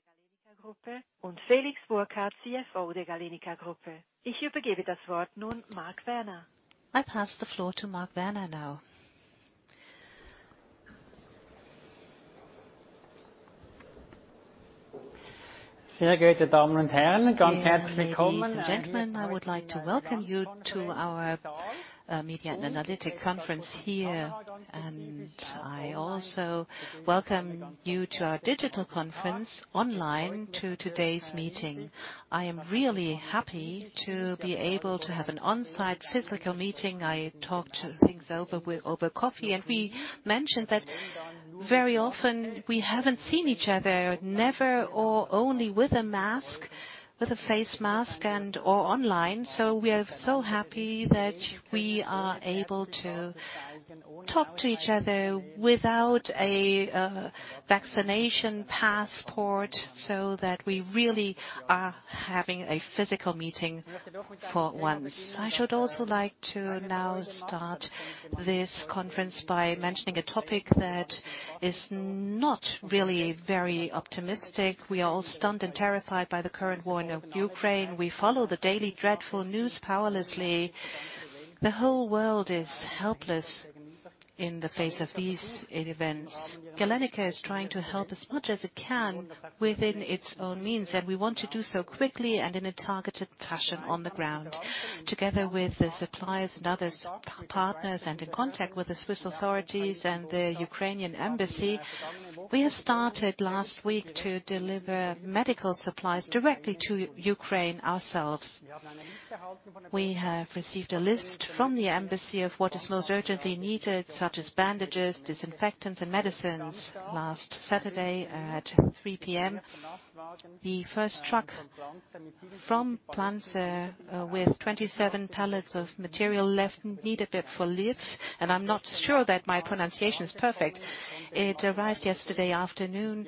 Marc Werner, CEO of the Galenica Group, and Felix Burkhard, CFO of the Galenica Group. I pass the floor to Marc Werner now. Very good, ladies and gentlemen, I would like to welcome you to our media and analyst conference here. I also welcome you to our digital conference online to today's meeting. I am really happy to be able to have an on-site physical meeting. I talked things over over coffee, and we mentioned that very often we haven't seen each other, never or only with a mask, with a face mask and/or online. We are so happy that we are able to talk to each other without a vaccination passport so that we really are having a physical meeting for once. I should also like to now start this conference by mentioning a topic that is not really very optimistic. We are all stunned and terrified by the current war in Ukraine. We follow the daily dreadful news powerlessly. The whole world is helpless in the face of these events. Galenica is trying to help as much as it can within its own means, and we want to do so quickly and in a targeted fashion on the ground. Together with the suppliers and other partners and in contact with the Swiss authorities and the Ukrainian Embassy, we have started last week to deliver medical supplies directly to Ukraine ourselves. We have received a list from the embassy of what is most urgently needed, such as bandages, disinfectants and medicines. Last Saturday at 3:00 P.M., the first truck from Planzer with 27 pallets of material left, needed for Lviv, and I'm not sure that my pronunciation is perfect. It arrived yesterday afternoon,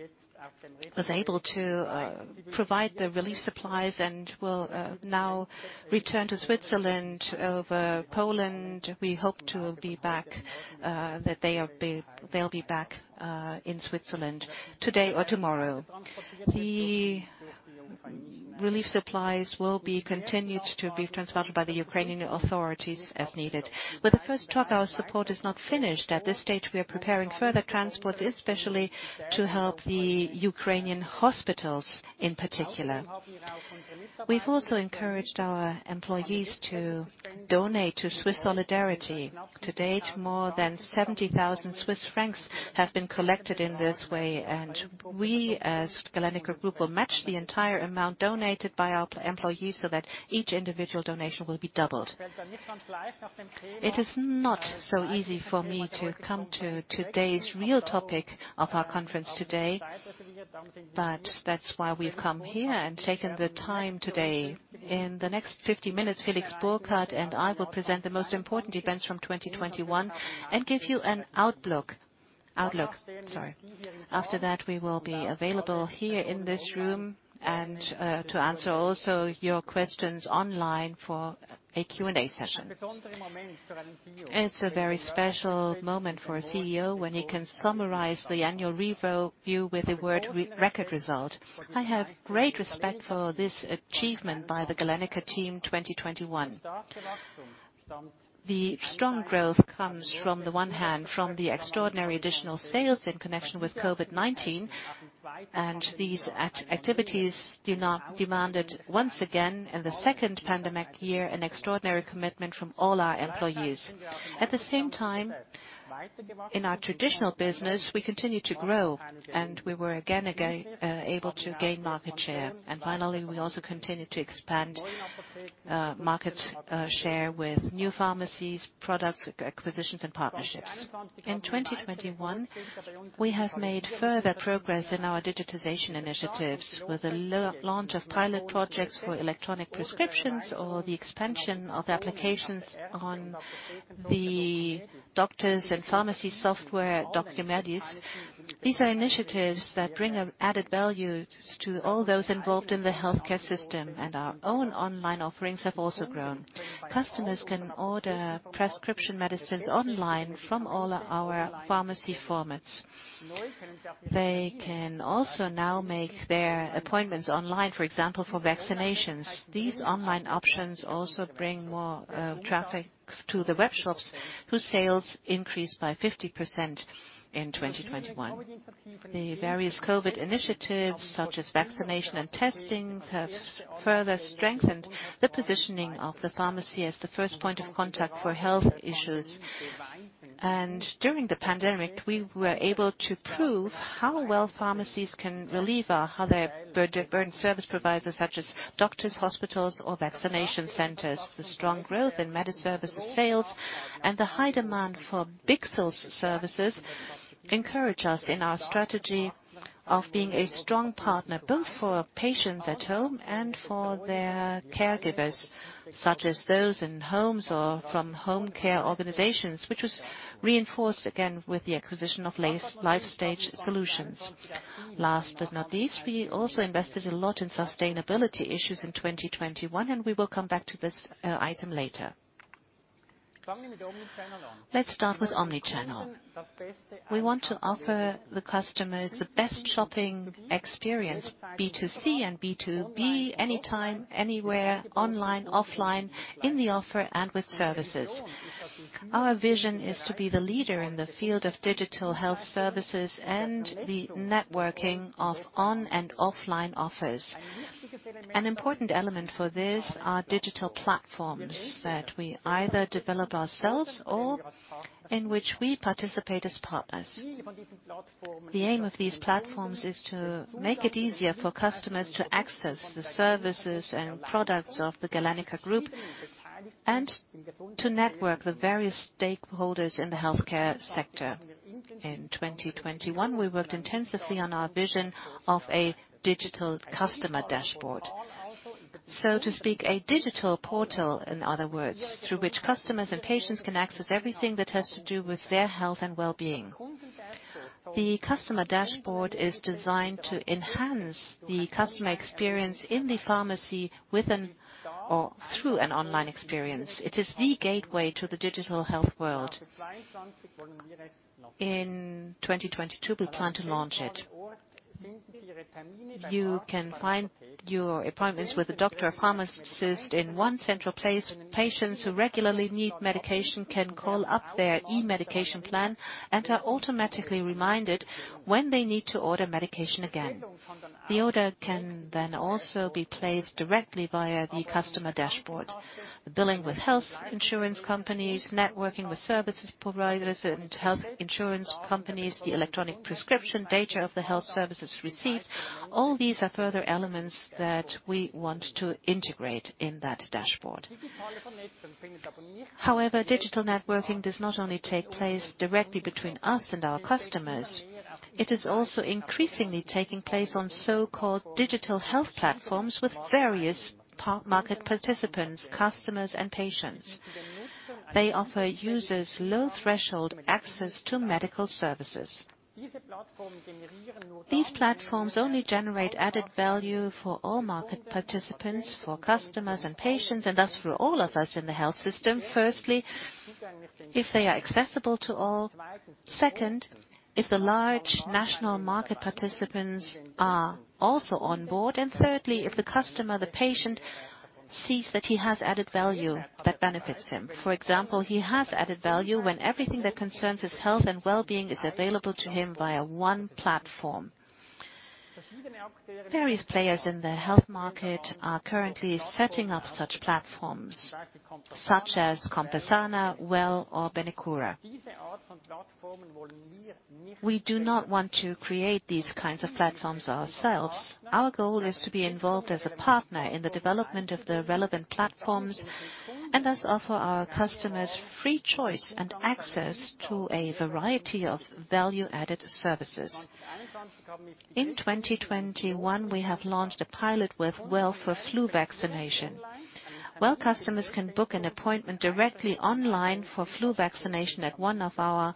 was able to provide the relief supplies and will now return to Switzerland over Poland. We hope that they'll be back in Switzerland today or tomorrow. The relief supplies will be continued to be transported by the Ukrainian authorities as needed. With the first truck, our support is not finished. At this stage, we are preparing further transports, especially to help the Ukrainian hospitals in particular. We've also encouraged our employees to donate to Swiss Solidarity. To date, more than 70,000 Swiss francs have been collected in this way, and we as Galenica Group will match the entire amount donated by our employees so that each individual donation will be doubled. It is not so easy for me to come to today's real topic of our conference today, but that's why we've come here and taken the time today. In the next 50 minutes, Felix Burkhard and I will present the most important events from 2021 and give you an outlook. After that, we will be available here in this room and to answer also your questions online for a Q&A session. It's a very special moment for a CEO when he can summarize the annual review with the word record result. I have great respect for this achievement by the Galenica team 2021. The strong growth comes on the one hand from the extraordinary additional sales in connection with COVID-19, and these activities demanded once again in the second pandemic year an extraordinary commitment from all our employees. At the same time, in our traditional business, we continued to grow, and we were again able to gain market share. Finally, we also continued to expand market share with new pharmacies, products, acquisitions and partnerships. In 2021, we have made further progress in our digitization initiatives with the launch of pilot projects for electronic prescriptions or the expansion of applications on the doctors and pharmacy software, Documedis. These are initiatives that bring added value to all those involved in the healthcare system, and our own online offerings have also grown. Customers can order prescription medicines online from all our pharmacy formats. They can also now make their appointments online, for example, for vaccinations. These online options also bring more traffic to the web shops, whose sales increased by 50% in 2021. The various COVID initiatives, such as vaccination and testing, have further strengthened the positioning of the pharmacy as the first point of contact for health issues. During the pandemic, we were able to prove how well pharmacies can relieve how their burdened service providers such as doctors, hospitals or vaccination centers. The strong growth in MediService sales and the high demand for Bichsel's services encourage us in our strategy of being a strong partner, both for patients at home and for their caregivers, such as those in homes or from home care organizations, which was reinforced again with the acquisition of Lifestage Solutions. Last but not least, we also invested a lot in sustainability issues in 2021, and we will come back to this item later. Let's start with omni-channel. We want to offer the customers the best shopping experience, B2C and B2B, anytime, anywhere, online, offline, in the offer and with services. Our vision is to be the leader in the field of digital health services and the networking of on and offline offers. An important element for this are digital platforms that we either develop ourselves or in which we participate as partners. The aim of these platforms is to make it easier for customers to access the services and products of the Galenica Group and to network the various stakeholders in the healthcare sector. In 2021, we worked intensively on our vision of a digital customer dashboard. So to speak, a digital portal, in other words, through which customers and patients can access everything that has to do with their health and well-being. The customer dashboard is designed to enhance the customer experience in the pharmacy with or through an online experience. It is the gateway to the digital health world. In 2022, we plan to launch it. You can find your appointments with a doctor or pharmacist in one central place. Patients who regularly need medication can call up their e-Mediplan and are automatically reminded when they need to order medication again. The order can then also be placed directly via the customer dashboard. The billing with health insurance companies, networking with service providers and health insurance companies, the e-prescription data of the health services received, all these are further elements that we want to integrate in that dashboard. However, digital networking does not only take place directly between us and our customers. It is also increasingly taking place on so-called digital health platforms with various market participants, customers and patients. They offer users low-threshold access to medical services. These platforms only generate added value for all market participants, for customers and patients, and thus for all of us in the health system, firstly, if they are accessible to all. Second, if the large national market participants are also on board. Thirdly, if the customer, the patient, sees that he has added value that benefits him. For example, he has added value when everything that concerns his health and well-being is available to him via one platform. Various players in the health market are currently setting up such platforms, such as Compassana, Well or Benecura. We do not want to create these kinds of platforms ourselves. Our goal is to be involved as a partner in the development of the relevant platforms and thus offer our customers free choice and access to a variety of value-added services. In 2021, we have launched a pilot with Well for flu vaccination. Well customers can book an appointment directly online for flu vaccination at one of our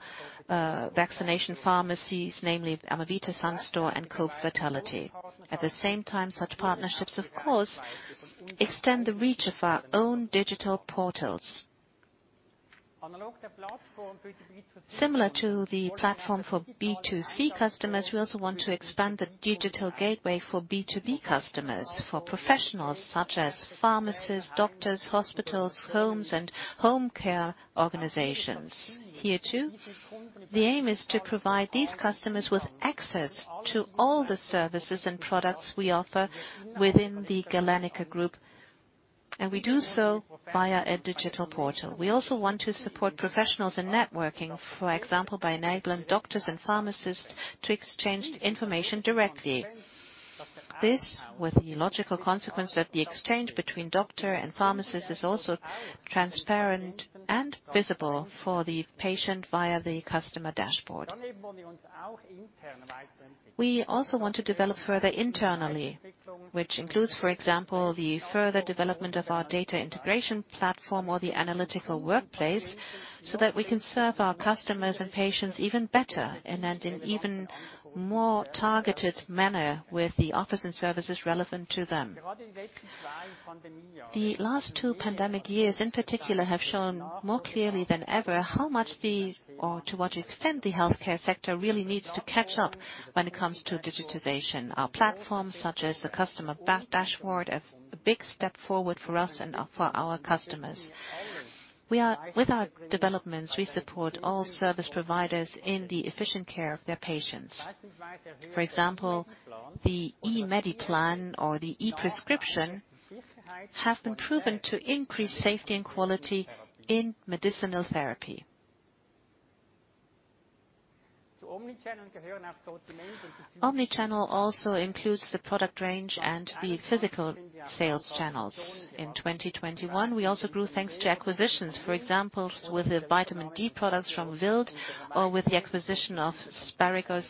vaccination pharmacies, namely Amavita, Sun Store, and Coop Vitality. At the same time, such partnerships, of course, extend the reach of our own digital portals. Similar to the platform for B2C customers, we also want to expand the digital gateway for B2B customers, for professionals such as pharmacists, doctors, hospitals, homes, and home care organizations. Here, too, the aim is to provide these customers with access to all the services and products we offer within the Galenica Group, and we do so via a digital portal. We also want to support professionals in networking, for example, by enabling doctors and pharmacists to exchange information directly. This, with the logical consequence that the exchange between doctor and pharmacist is also transparent and visible for the patient via the customer dashboard. We also want to develop further internally, which includes, for example, the further development of our data integration platform or the analytical workplace, so that we can serve our customers and patients even better and in even more targeted manner with the offers and services relevant to them. The last two pandemic years, in particular, have shown more clearly than ever how much or to what extent the healthcare sector really needs to catch up when it comes to digitization. Our platforms, such as the customer dashboard, a big step forward for us and for our customers. With our developments, we support all service providers in the efficient care of their patients. For example, the e-Mediplan or the e-prescription have been proven to increase safety and quality in medicinal therapy. Omnichannel also includes the product range and the physical sales channels. In 2021, we also grew thanks to acquisitions, for example, with the vitamin D products from Wild or with the acquisition of Spagyros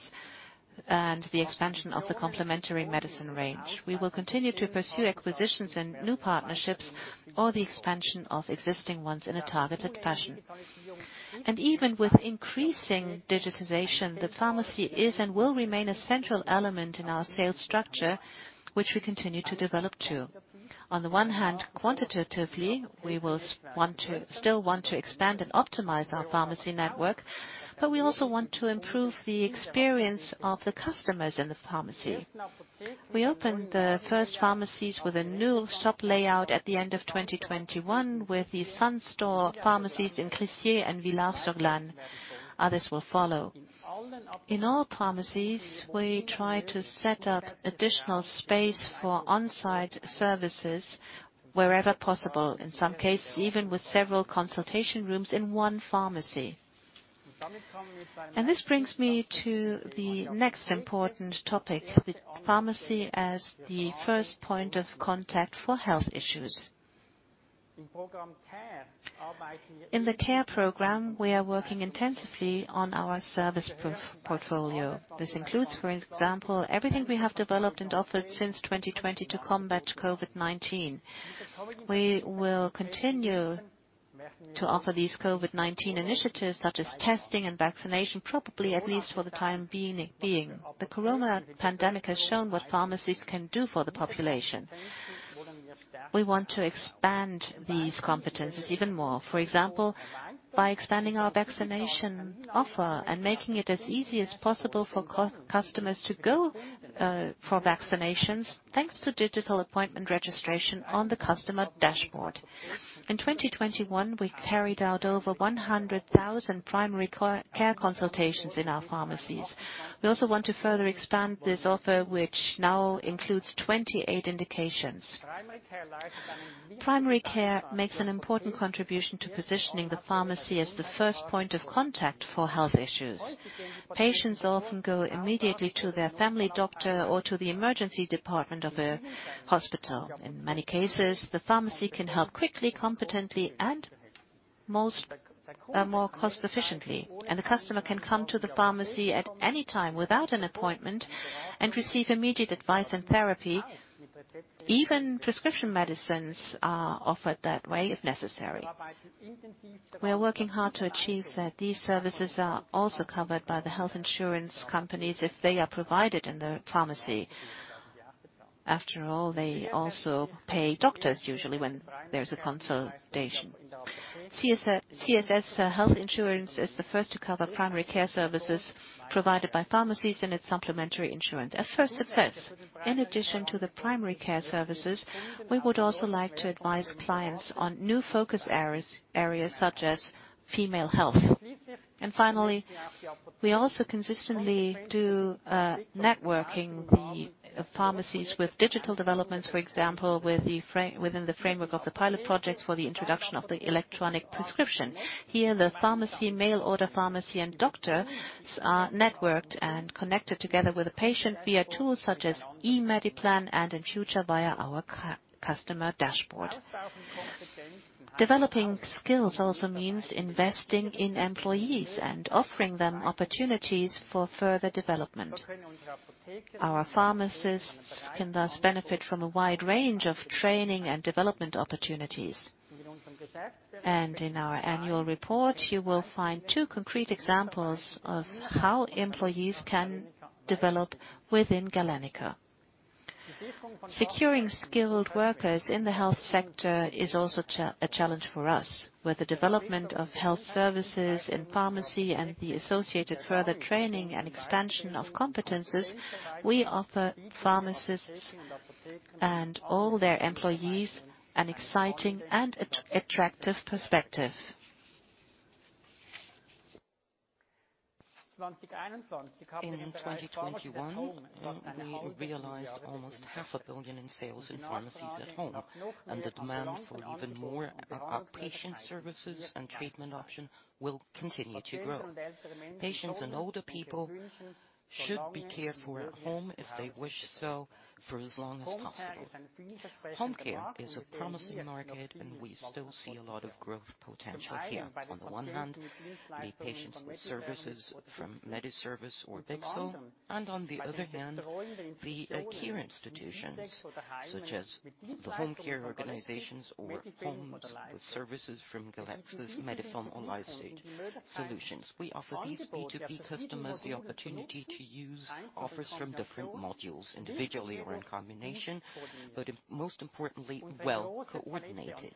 and the expansion of the complementary medicine range. We will continue to pursue acquisitions and new partnerships or the expansion of existing ones in a targeted fashion. Even with increasing digitization, the pharmacy is and will remain a central element in our sales structure, which we continue to develop too. On the one hand, quantitatively, we will still want to expand and optimize our pharmacy network, but we also want to improve the experience of the customers in the pharmacy. We opened the first pharmacies with a new shop layout at the end of 2021 with the Sun Store pharmacies in Crissier and Villars-sur-Glâne. Others will follow. In all pharmacies, we try to set up additional space for on-site services wherever possible, in some cases, even with several consultation rooms in one pharmacy. This brings me to the next important topic, the pharmacy as the first point of contact for health issues. In the care program, we are working intensively on our service portfolio. This includes, for example, everything we have developed and offered since 2020 to combat COVID-19. We will continue to offer these COVID-19 initiatives, such as testing and vaccination, probably at least for the time being. The corona pandemic has shown what pharmacies can do for the population. We want to expand these competencies even more, for example, by expanding our vaccination offer and making it as easy as possible for customers to go for vaccinations thanks to digital appointment registration on the customer dashboard. In 2021, we carried out over 100,000 primary care consultations in our pharmacies. We also want to further expand this offer, which now includes 28 indications. Primary care makes an important contribution to positioning the pharmacy as the first point of contact for health issues. Patients often go immediately to their family doctor or to the emergency department of a hospital. In many cases, the pharmacy can help quickly, competently, and more cost efficiently. The customer can come to the pharmacy at any time without an appointment and receive immediate advice and therapy. Even prescription medicines are offered that way if necessary. We are working hard to achieve that these services are also covered by the health insurance companies if they are provided in the pharmacy. After all, they also pay doctors usually when there's a consultation. CSS Health Insurance is the first to cover primary care services provided by pharmacies in its supplementary insurance. A first success. In addition to the primary care services, we would also like to advise clients on new focus areas, such as female health. Finally, we also consistently do networking the pharmacies with digital developments, for example, within the framework of the pilot projects for the introduction of the electronic prescription. Here, the pharmacy, mail order pharmacy and doctors are networked and connected together with a patient via tools such as e-Mediplan and in future via our customer dashboard. Developing skills also means investing in employees and offering them opportunities for further development. Our pharmacists can thus benefit from a wide range of training and development opportunities. In our annual report, you will find two concrete examples of how employees can develop within Galenica. Securing skilled workers in the health sector is also a challenge for us. With the development of health services in pharmacy and the associated further training and expansion of competencies, we offer pharmacists and all their employees an exciting and attractive perspective. In 2021, we realized almost CHF half a billion in sales in pharmacies at home, and the demand for even more outpatient services and treatment option will continue to grow. Patients and older people should be cared for at home if they wish so for as long as possible. Home care is a promising market, and we still see a lot of growth potential here. On the one hand, the patient services from MediService or Bichsel, and on the other hand, the care institutions such as the home care organizations or homes with services from Galexis, Medifilm, or Lifestage Solutions. We offer these B2B customers the opportunity to use offers from different modules individually or in combination, but most importantly, well coordinated.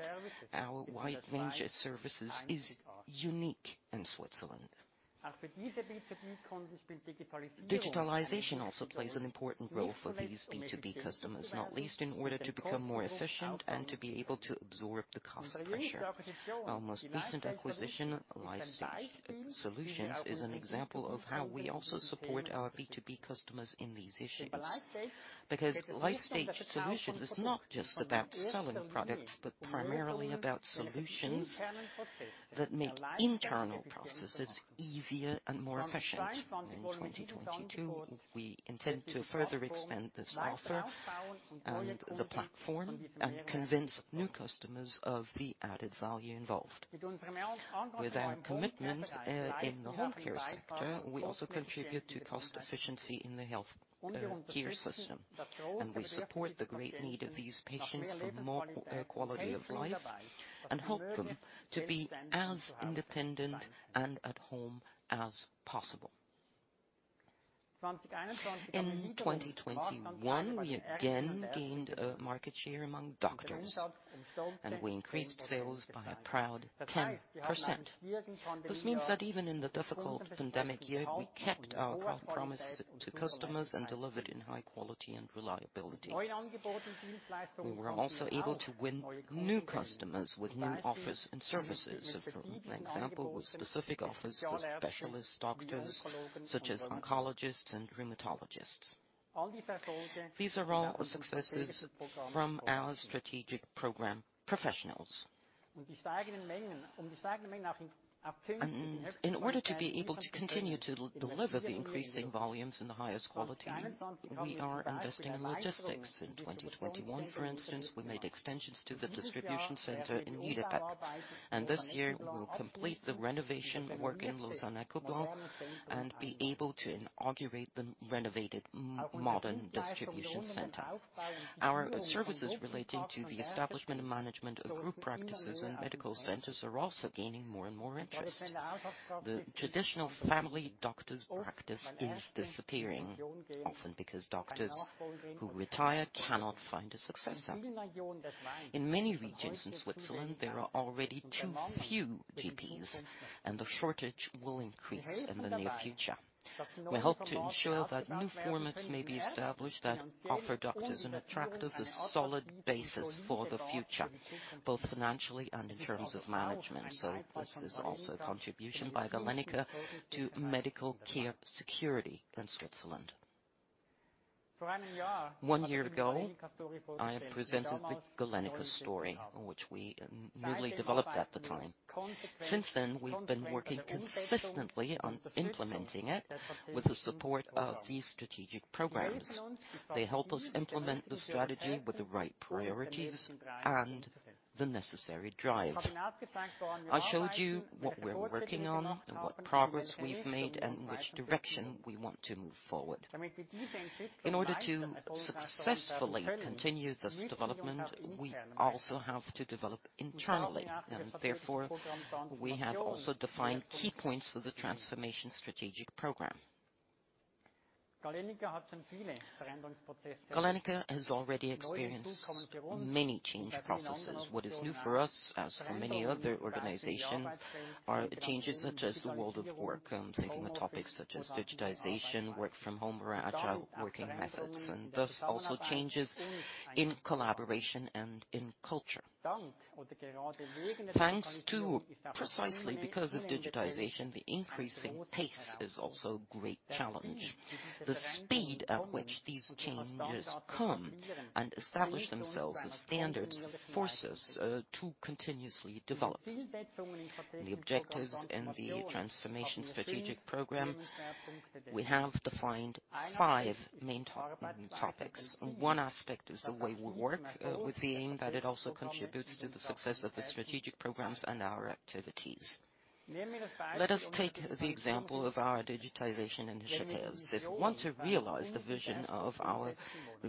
Our wide range of services is unique in Switzerland. Digitalization also plays an important role for these B2B customers, not least in order to become more efficient and to be able to absorb the cost pressure. Our most recent acquisition, Lifestage Solutions, is an example of how we also support our B2B customers in these issues. Because Lifestage Solutions is not just about selling products, but primarily about solutions that make internal processes easier and more efficient. In 2022, we intend to further expand this offer and the platform and convince new customers of the added value involved. With our commitment in the home care sector, we also contribute to cost efficiency in the health care system, and we support the great need of these patients for more quality of life and help them to be as independent and at home as possible. In 2021, we again gained a market share among doctors, and we increased sales by a proud 10%. This means that even in the difficult pandemic year, we kept our promise to customers and delivered in high quality and reliability. We were also able to win new customers with new offers and services. For example, with specific offers for specialist doctors such as oncologists and rheumatologists. These are all successes from our strategic program professionals. In order to be able to continue to deliver the increasing volumes and the highest quality, we are investing in logistics. In 2021, for instance, we made extensions to the distribution center in Niederbipp. This year, we will complete the renovation work in Lausanne-Ecublens and be able to inaugurate the renovated modern distribution center. Our services relating to the establishment and management of group practices and medical centers are also gaining more and more interest. The traditional family doctor's practice is disappearing, often because doctors who retire cannot find a successor. In many regions in Switzerland, there are already too few GPs, and the shortage will increase in the near future. We hope to ensure that new formats may be established that offer doctors an attractive and solid basis for the future, both financially and in terms of management. This is also a contribution by Galenica to medical care security in Switzerland. One year ago, I have presented the Galenica story, which we newly developed at the time. Since then, we've been working consistently on implementing it with the support of these strategic programs. They help us implement the strategy with the right priorities and the necessary drive. I showed you what we're working on and what progress we've made and which direction we want to move forward. In order to successfully continue this development, we also have to develop internally. Therefore, we have also defined key points for the transformation strategic program. Galenica has already experienced many change processes. What is new for us, as for many other organizations, are changes such as the world of work, taking on topics such as digitization, work from home or agile working methods, and thus also changes in collaboration and in culture. Thanks to precisely because of digitization, the increasing pace is also a great challenge. The speed at which these changes come and establish themselves as standards forces to continuously develop. The objectives in the transformation strategic program, we have defined five main topics. One aspect is the way we work with the aim that it also contributes to the success of the strategic programs and our activities. Let us take the example of our digitization initiatives. If we want to realize the vision of our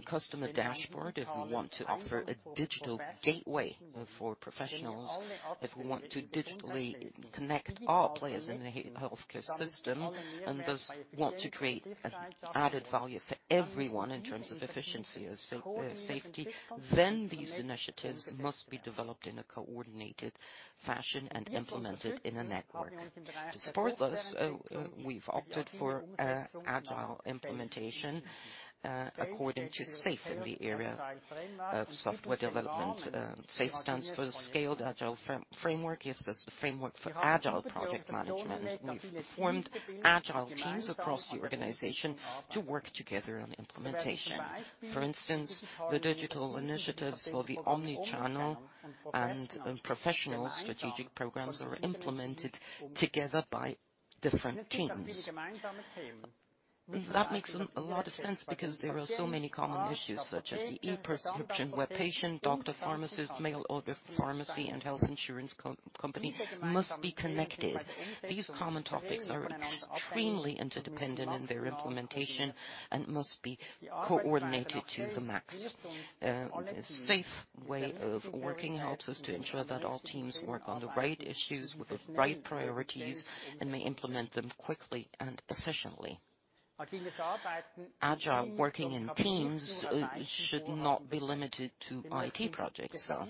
customer dashboard, if we want to offer a digital gateway for professionals, if we want to digitally connect all players in the healthcare system and thus want to create an added value for everyone in terms of efficiency and safety, then these initiatives must be developed in a coordinated fashion and implemented in a network. To support us, we've opted for agile implementation according to SAFe in the area of software development. SAFe stands for Scaled Agile Framework, gives us the framework for agile project management. We've formed agile teams across the organization to work together on the implementation. For instance, the digital initiatives for the omni-channel and professional strategic programs are implemented together by different teams. That makes a lot of sense because there are so many common issues such as the e-prescription, where patient, doctor, pharmacist, mail order pharmacy, and health insurance company must be connected. These common topics are extremely interdependent in their implementation and must be coordinated to the max. The SAFe way of working helps us to ensure that all teams work on the right issues with the right priorities and may implement them quickly and efficiently. Agile working in teams should not be limited to IT projects, though.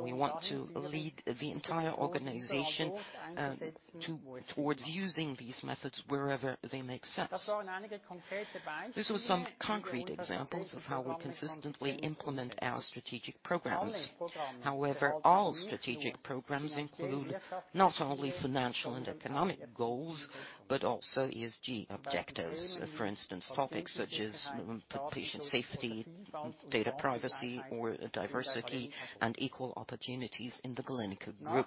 We want to lead the entire organization towards using these methods wherever they make sense. These were so me concrete examples of how we consistently implement our strategic programs. However, all strategic programs include not only financial and economic goals, but also ESG objectives, for instance, topics such as patient safety, data privacy or diversity and equal opportunities in the Galenica Group.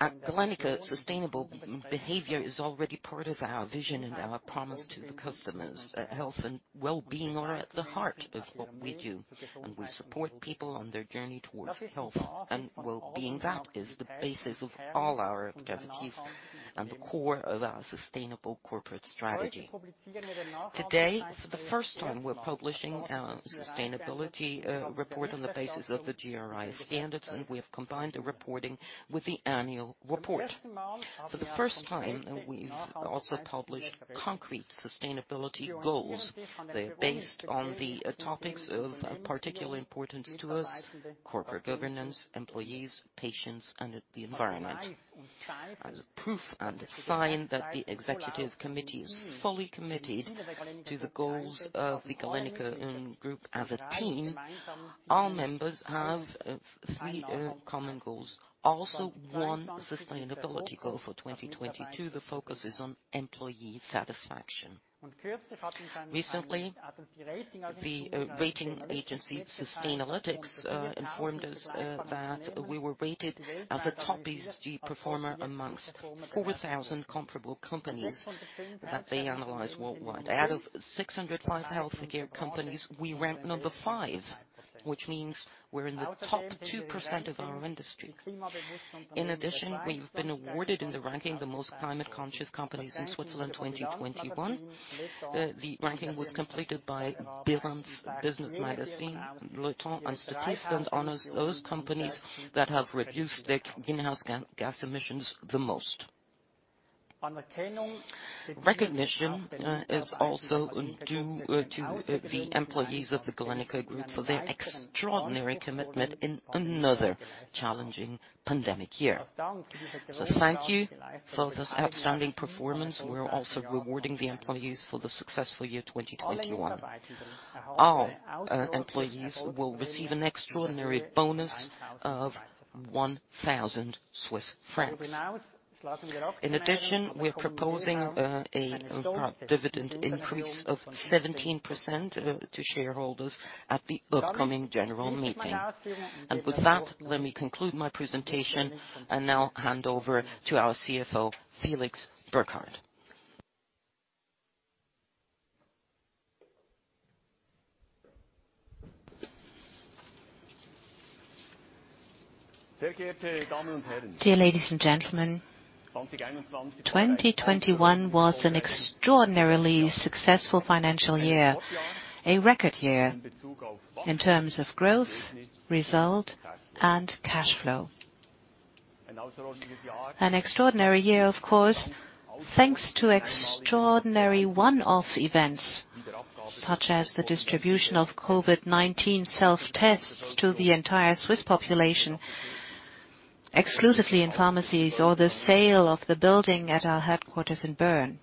At Galenica, sustainable behavior is already part of our vision and our promise to the customers. Health and well-being are at the heart of what we do, and we support people on their journey towards health and well-being. That is the basis of all our activities and the core of our sustainable corporate strategy. Today, for the first time, we're publishing our sustainability report on the basis of the GRI standards, and we have combined the reporting with the annual report. For the first time, we've also published concrete sustainability goals. They're based on the topics of particular importance to us: corporate governance, employees, patients, and the environment. As a proof and a sign that the executive committee is fully committed to the goals of the Galenica Group as a team, all members have three common goals, also one sustainability goal for 2022. The focus is on employee satisfaction. Recently, the rating agency Sustainalytics informed us that we were rated as a top ESG performer amongst 4,000 comparable companies that they analyze worldwide. Out of 605 healthcare companies, we ranked number 5. Which means we're in the top 2% of our industry. In addition, we've been awarded in the ranking the most climate conscious companies in Switzerland 2021. The ranking was completed by Bilanz, Le Temps and Statista, and honors those companies that have reduced their greenhouse gas emissions the most. Recognition is also due to the employees of the Galenica Group for their extraordinary commitment in another challenging pandemic year. Thank you for this outstanding performance. We're also rewarding the employees for the successful year 2021. All employees will receive an extraordinary bonus of 1,000 Swiss francs. In addition, we're proposing a dividend increase of 17% to shareholders at the upcoming general meeting. With that, let me conclude my presentation and now hand over to our CFO, Felix Burkhard. Dear ladies and gentlemen, 2021 was an extraordinarily successful financial year, a record year in terms of growth, result, and cash flow. An extraordinary year, of course, thanks to extraordinary one-off events such as the distribution of COVID-19 self-tests to the entire Swiss population exclusively in pharmacies or the sale of the building at our headquarters in Bern.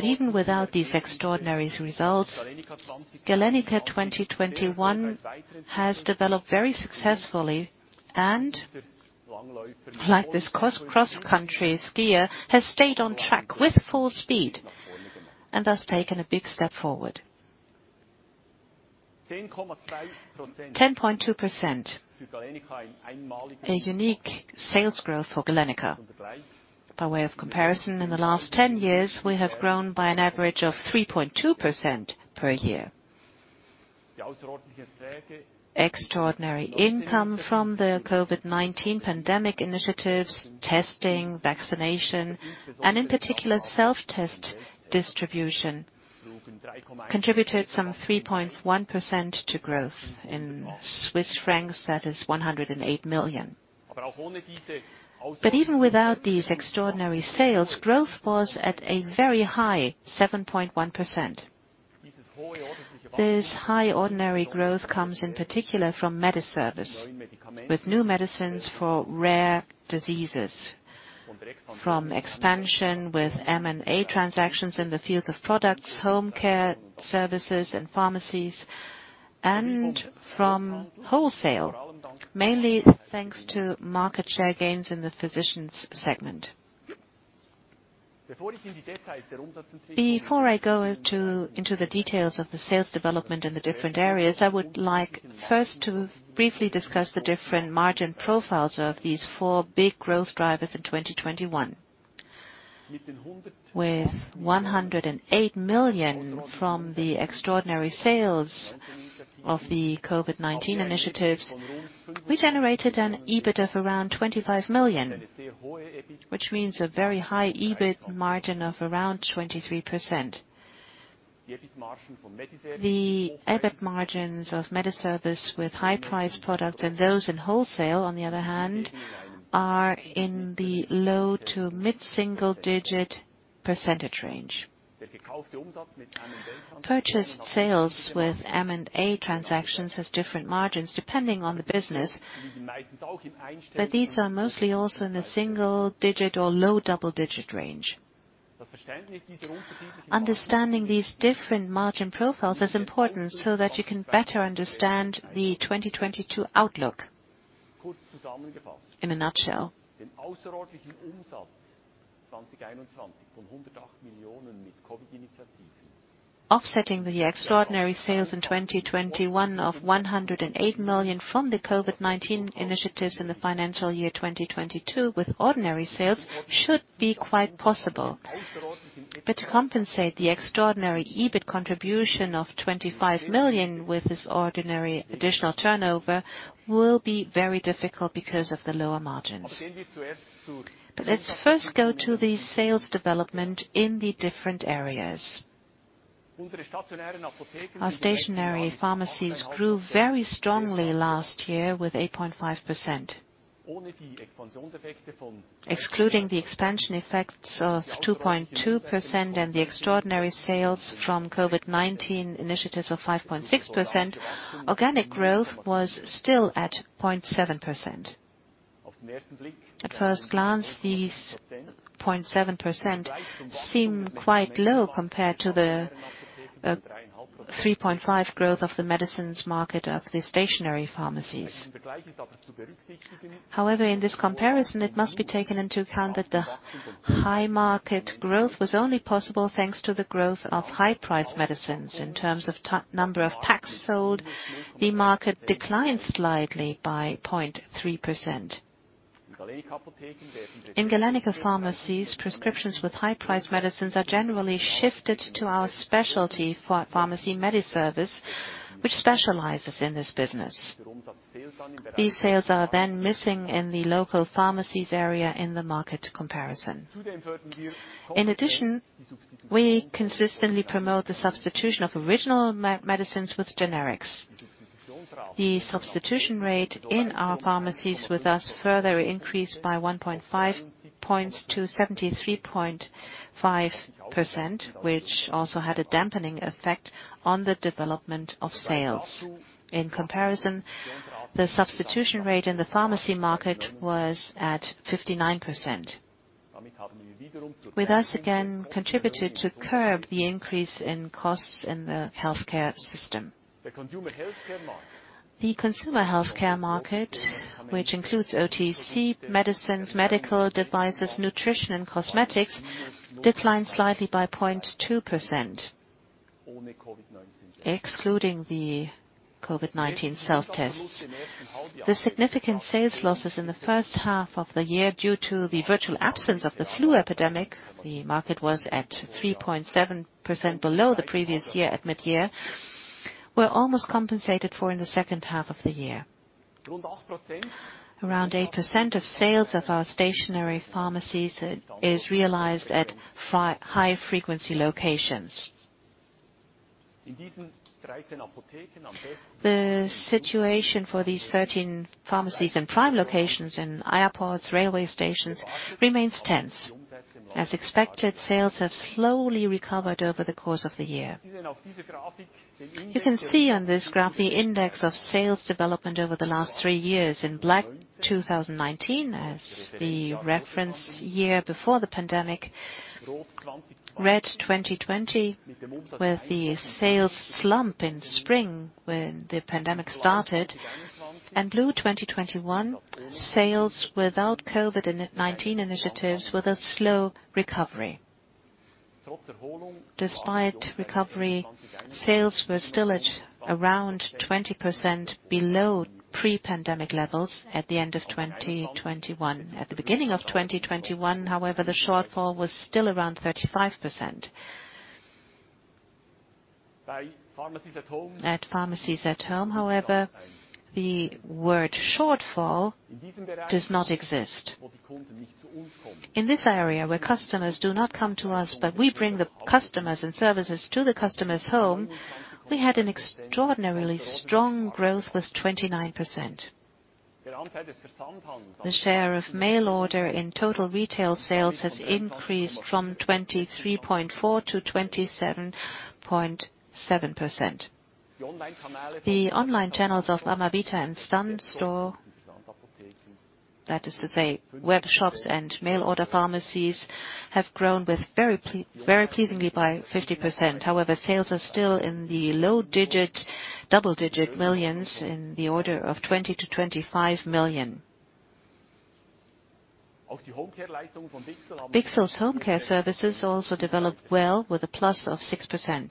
Even without these extraordinary results, Galenica 2021 has developed very successfully and, like this cross-country skier, has stayed on track with full speed, and thus taken a big step forward. 10.2%, a unique sales growth for Galenica. By way of comparison, in the last 10 years, we have grown by an average of 3.2% per year. Extraordinary income from the COVID-19 pandemic initiatives, testing, vaccination, and in particular, self-test distribution contributed some 3.1% to growth. In Swiss francs, that is 108 million. Even without these extraordinary sales, growth was at a very high 7.1%. This high ordinary growth comes in particular from MediService, with new medicines for rare diseases, from expansion with M&A transactions in the fields of products, home care, services, and pharmacies, and from wholesale, mainly thanks to market share gains in the physicians segment. Before I go into the details of the sales development in the different areas, I would like first to briefly discuss the different margin profiles of these four big growth drivers in 2021. With 108 million from the extraordinary sales of the COVID-19 initiatives, we generated an EBIT of around 25 million, which means a very high EBIT margin of around 23%. The EBIT margins of MediService with high-priced products and those in wholesale, on the other hand, are in the low- to mid-single-digit % range. Purchased sales with M&A transactions has different margins depending on the business, but these are mostly also in the single-digit or low double-digit % range. Understanding these different margin profiles is important so that you can better understand the 2022 outlook. In a nutshell, offsetting the extraordinary sales in 2021 of 108 million from the COVID-19 initiatives in the financial year 2022 with ordinary sales should be quite possible. To compensate the extraordinary EBIT contribution of 25 million with this ordinary additional turnover will be very difficult because of the lower margins. Let's first go to the sales development in the different areas. Our stationary pharmacies grew very strongly last year with 8.5%. Excluding the expansion effects of 2.2% and the extraordinary sales from COVID-19 initiatives of 5.6%, organic growth was still at 0.7%. At first glance, these 0.7% seem quite low compared to the three point five growth of the medicines market of the stationary pharmacies. However, in this comparison, it must be taken into account that the high market growth was only possible thanks to the growth of high-priced medicines. In terms of number of packs sold, the market declined slightly by 0.3%. In Galenica pharmacies, prescriptions with high-priced medicines are generally shifted to our specialty pharmacy MediService, which specializes in this business. These sales are then missing in the local pharmacies area in the market comparison. In addition, we consistently promote the substitution of original medicines with generics. The substitution rate in our pharmacies with us further increased by 1.5 points to 73.5%, which also had a dampening effect on the development of sales. In comparison, the substitution rate in the pharmacy market was at 59%. With us again contributed to curb the increase in costs in the healthcare system. The consumer healthcare market, which includes OTC medicines, medical devices, nutrition, and cosmetics, declined slightly by 0.2% excluding the COVID-19 self-tests. The significant sales losses in the first half of the year due to the virtual absence of the flu epidemic, the market was at 3.7% below the previous year at mid-year, were almost compensated for in the second half of the year. Around 8% of sales of our stationary pharmacies is realized at high frequency locations. The situation for these 13 pharmacies in prime locations in airports, railway stations remains tense. As expected, sales have slowly recovered over the course of the year. You can see on this graph the index of sales development over the last three years. In black, 2019 as the reference year before the pandemic. Red, 2020 with the sales slump in spring when the pandemic started. Blue, 2021, sales without COVID-19 initiatives with a slow recovery. Despite recovery, sales were still at around 20% below pre-pandemic levels at the end of 2021. At the beginning of 2021, however, the shortfall was still around 35%. At pharmacies at home, however, the word shortfall does not exist. In this area, where customers do not come to us, but we bring the customers and services to the customer's home, we had an extraordinarily strong growth with 29%. The share of mail order in total retail sales has increased from 23.4% to 27.7%. The online channels of Amavita and Sun Store, that is to say, web shops and mail order pharmacies, have grown very pleasingly by 50%. However, sales are still in the low double-digit millions in the order of 20 million-25 million. Bichsel's home care services also developed well with a +6%.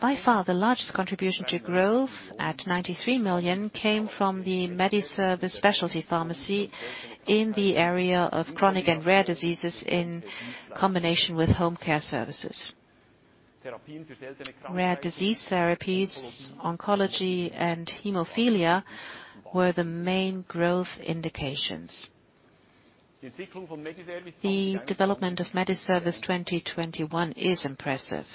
By far, the largest contribution to growth at 93 million came from the MediService specialty pharmacy in the area of chronic and rare diseases in combination with home care services. Rare disease therapies, oncology, and hemophilia were the main growth indications. The development of MediService 2021 is impressive.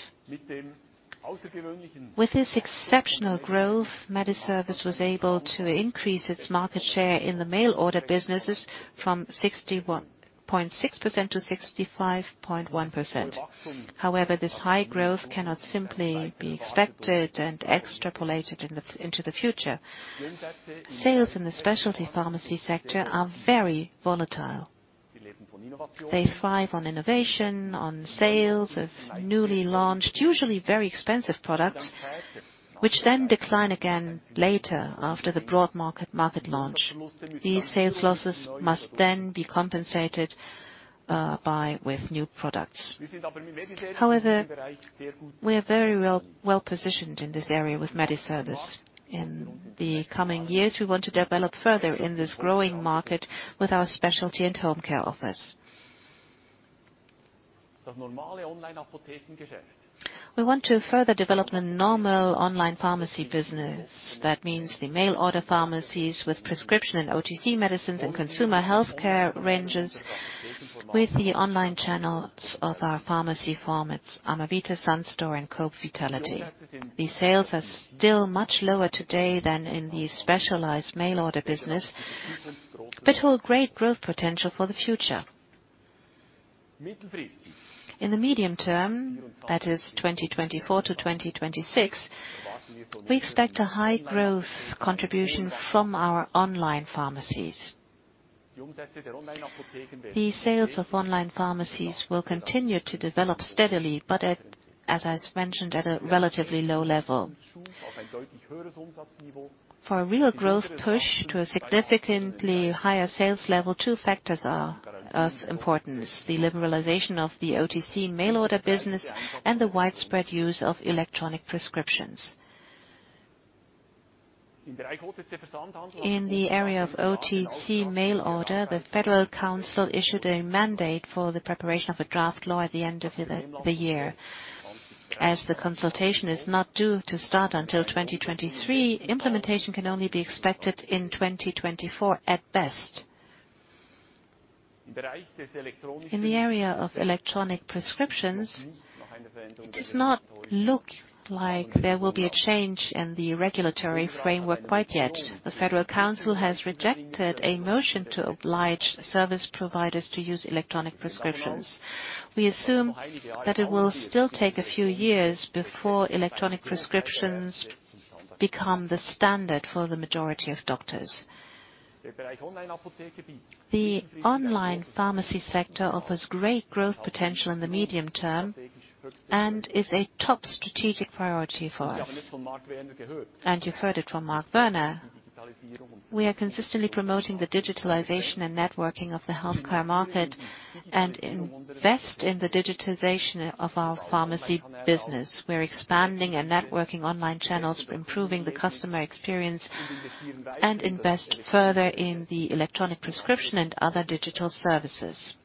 With this exceptional growth, MediService was able to increase its market share in the mail order business from 61.6% to 65.1%. However, this high growth cannot simply be expected and extrapolated into the future. Sales in the specialty pharmacy sector are very volatile. They thrive on innovation, on sales of newly launched, usually very expensive products, which then decline again later after the broad market launch. These sales losses must then be compensated by with new products. However, we are very well-positioned in this area with MediService. In the coming years, we want to develop further in this growing market with our specialty and home care offers. We want to further develop the normal online pharmacy business. That means the mail order pharmacies with prescription and OTC medicines and consumer healthcare ranges with the online channels of our pharmacy formats, Amavita, Sun Store, and Coop Vitality. These sales are still much lower today than in the specialized mail order business, but hold great growth potential for the future. In the medium term, that is 2024-2026, we expect a high growth contribution from our online pharmacies. The sales of online pharmacies will continue to develop steadily, but at, as I mentioned, at a relatively low level. For a real growth push to a significantly higher sales level, two factors are of importance: the liberalization of the OTC mail order business and the widespread use of electronic prescriptions. In the area of OTC mail order, the Federal Council issued a mandate for the preparation of a draft law at the end of the year. As the consultation is not due to start until 2023, implementation can only be expected in 2024 at best. In the area of electronic prescriptions, it does not look like there will be a change in the regulatory framework quite yet. The Federal Council has rejected a motion to oblige service providers to use electronic prescriptions. We assume that it will still take a few years before electronic prescriptions become the standard for the majority of doctors. The online pharmacy sector offers great growth potential in the medium term and is a top strategic priority for us. You've heard it from Marc Werner. We are consistently promoting the digitalization and networking of the healthcare market and invest in the digitization of our pharmacy business. We're expanding and networking online channels, improving the customer experience, and invest further in the electronic prescription and other digital services.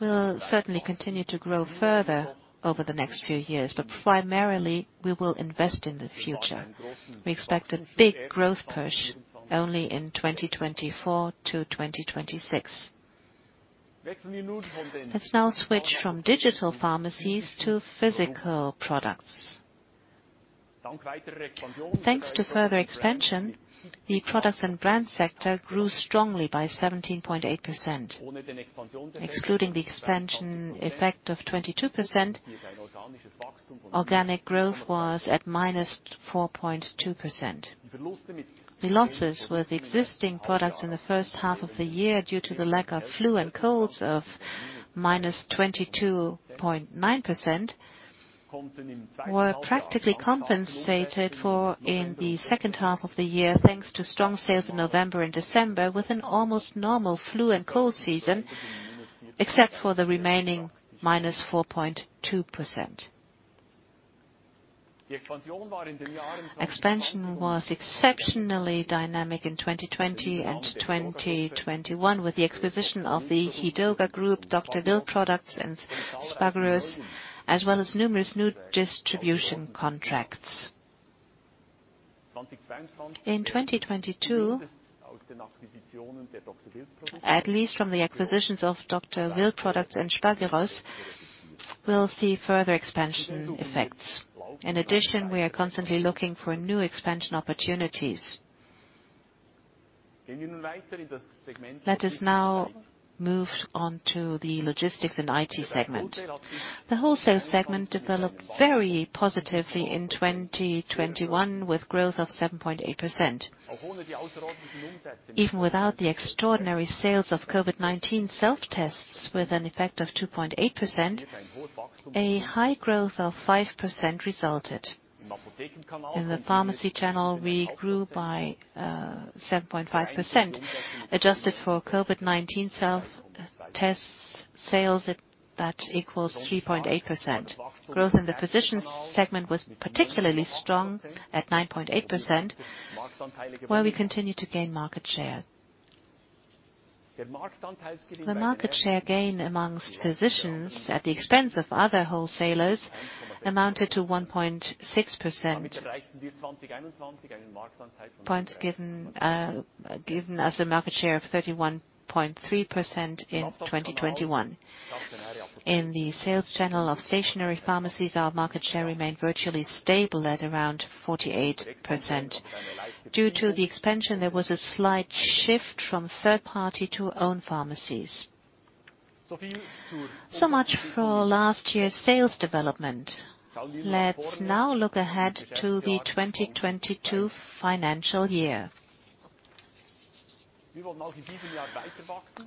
We'll certainly continue to grow further over the next few years, but primarily we will invest in the future. We expect a big growth push only in 2024-2026. Let's now switch from digital pharmacies to physical products. Thanks to further expansion, the products and brand sector grew strongly by 17.8%. Excluding the expansion effect of 22%, organic growth was at -4.2%. The losses with existing products in the first half of the year due to the lack of flu and colds of -22.9%, were practically compensated for in the second half of the year, thanks to strong sales in November and December, with an almost normal flu and cold season, except for the remaining -4.2%. Expansion was exceptionally dynamic in 2020 and 2021 with the acquisition of the Hedoga Group, Dr. Wild products, and Spagyros, as well as numerous new distribution contracts. In 2022, at least from the acquisitions of Dr. Wild products and Spagyros, we'll see further expansion effects. In addition, we are constantly looking for new expansion opportunities. Let us now move on to the logistics and IT segment. The wholesale segment developed very positively in 2021 with growth of 7.8%. Even without the extraordinary sales of COVID-19 self-tests, with an effect of 2.8%, a high growth of 5% resulted. In the pharmacy channel, we grew by 7.5%. Adjusted for COVID-19 self-test sales, that equals 3.8%. Growth in the physicians segment was particularly strong at 9.8%, where we continue to gain market share. The market share gain among physicians at the expense of other wholesalers amounted to 1.6 percentage points, given as a market share of 31.3% in 2021. In the sales channel of stationary pharmacies, our market share remained virtually stable at around 48%. Due to the expansion, there was a slight shift from third-party to own pharmacies. So much for last year's sales development. Let's now look ahead to the 2022 financial year.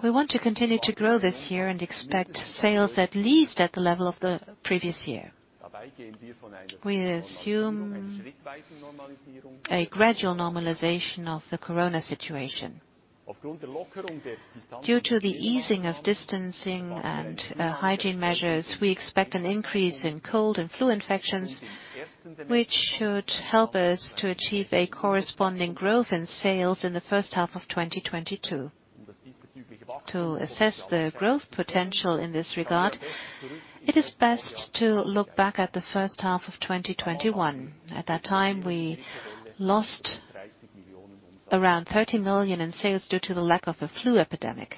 We want to continue to grow this year and expect sales at least at the level of the previous year. We assume a gradual normalization of the corona situation. Due to the easing of distancing and hygiene measures, we expect an increase in cold and flu infections, which should help us to achieve a corresponding growth in sales in the first half of 2022. To assess the growth potential in this regard, it is best to look back at the first half of 2021. At that time, we lost around 30 million in sales due to the lack of a flu epidemic.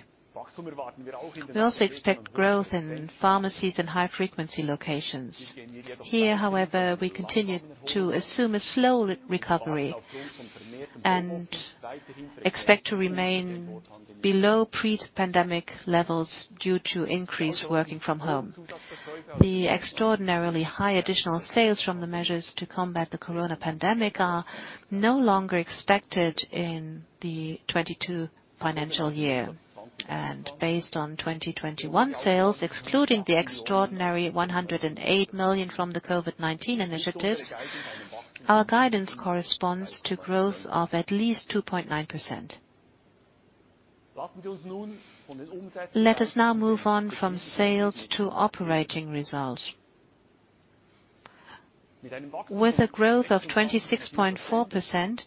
We also expect growth in pharmacies in high frequency locations. Here, however, we continue to assume a slow recovery and expect to remain below pre-pandemic levels due to increased working from home. The extraordinarily high additional sales from the measures to combat the corona pandemic are no longer expected in the 2022 financial year. Based on 2021 sales, excluding the extraordinary 108 million from the COVID-19 initiatives, our guidance corresponds to growth of at least 2.9%. Let us now move on from sales to operating results. With a growth of 26.4%,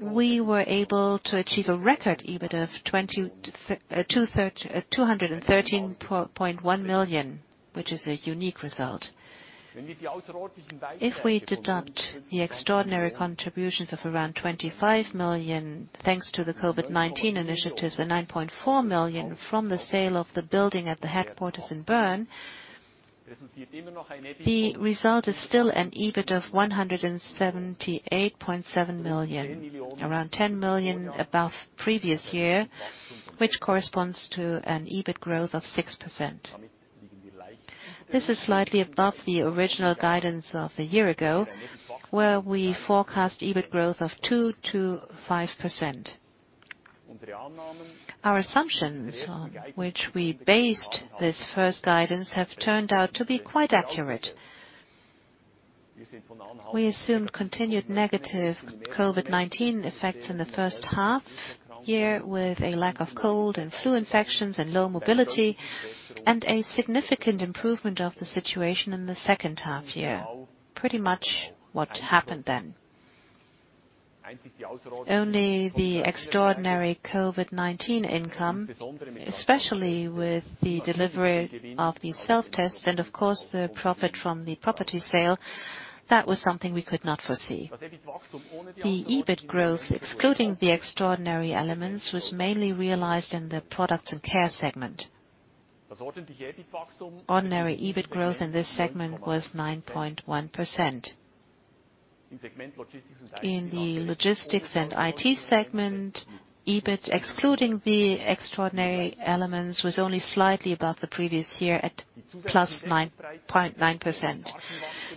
we were able to achieve a record EBIT of 213.1 million, which is a unique result. If we deduct the extraordinary contributions of around 25 million, thanks to the COVID-19 initiatives, and 9.4 million from the sale of the building at the headquarters in Bern, the result is still an EBIT of 178.7 million, around 10 million above previous year, which corresponds to an EBIT growth of 6%. This is slightly above the original guidance of a year ago, where we forecast EBIT growth of 2%-5%. Our assumptions on which we based this first guidance have turned out to be quite accurate. We assumed continued negative COVID-19 effects in the first half year, with a lack of cold and flu infections and low mobility, and a significant improvement of the situation in the second half year. Pretty much what happened then. Only the extraordinary COVID-19 income, especially with the delivery of the self-tests and of course, the profit from the property sale, that was something we could not foresee. The EBIT growth, excluding the extraordinary elements, was mainly realized in the Products and Care segment. Ordinary EBIT growth in this segment was 9.1%. In the Logistics and IT segment, EBIT, excluding the extraordinary elements, was only slightly above the previous year at +9.9%.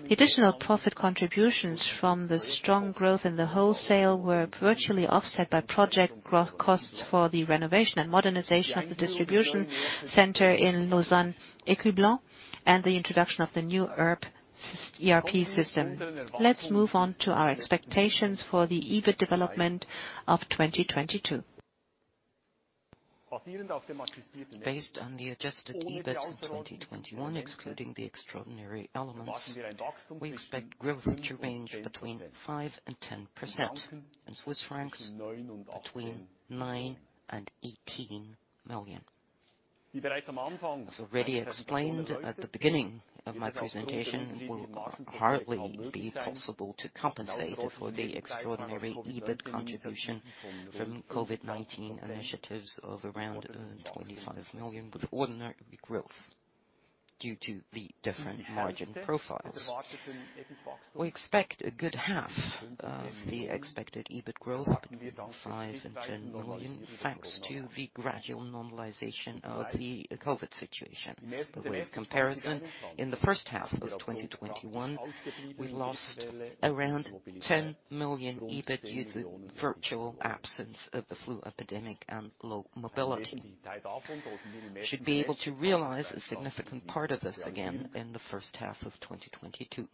The additional profit contributions from the strong growth in the wholesale were virtually offset by project growth costs for the renovation and modernization of the distribution center in Lausanne-Ecublens and the introduction of the new ERP system. Let's move on to our expectations for the EBIT development of 2022. Based on the adjusted EBIT in 2021, excluding the extraordinary elements, we expect growth to range between 5% and 10%. In Swiss francs, between 9 million and 18 million. As already explained at the beginning of my presentation, it will hardly be possible to compensate for the extraordinary EBIT contribution from COVID-19 initiatives of around 25 million with ordinary growth due to the different margin profiles. We expect a good half of the expected EBIT growth, between 5 million and 10 million, thanks to the gradual normalization of the COVID situation. For comparison, in the first half of 2021, we lost around 10 million EBIT due to the virtual absence of the flu epidemic and low mobility. We should be able to realize a significant part of this again in the first half of 2022.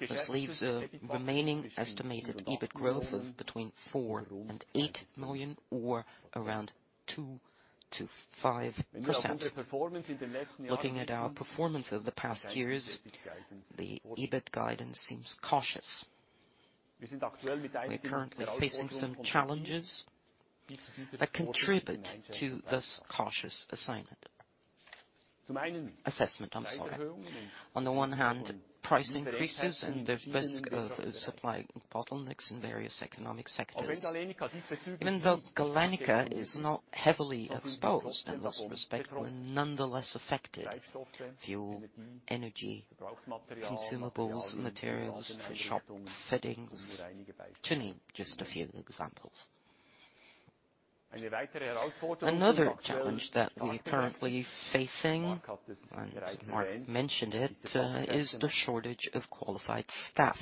This leaves a remaining estimated EBIT growth of between 4 million and 8 million, or around 2%-5%. Looking at our performance over the past years, the EBIT guidance seems cautious. We are currently facing some challenges that contribute to this cautious assessment. I'm sorry. On the one hand, price increases and the risk of supply bottlenecks in various economic sectors. Even though Galenica is not heavily exposed in this respect, we're nonetheless affected. Fuel, energy, consumables, materials for shop fittings, to name just a few examples. Another challenge that we are currently facing, and Marc mentioned it, is the shortage of qualified staff.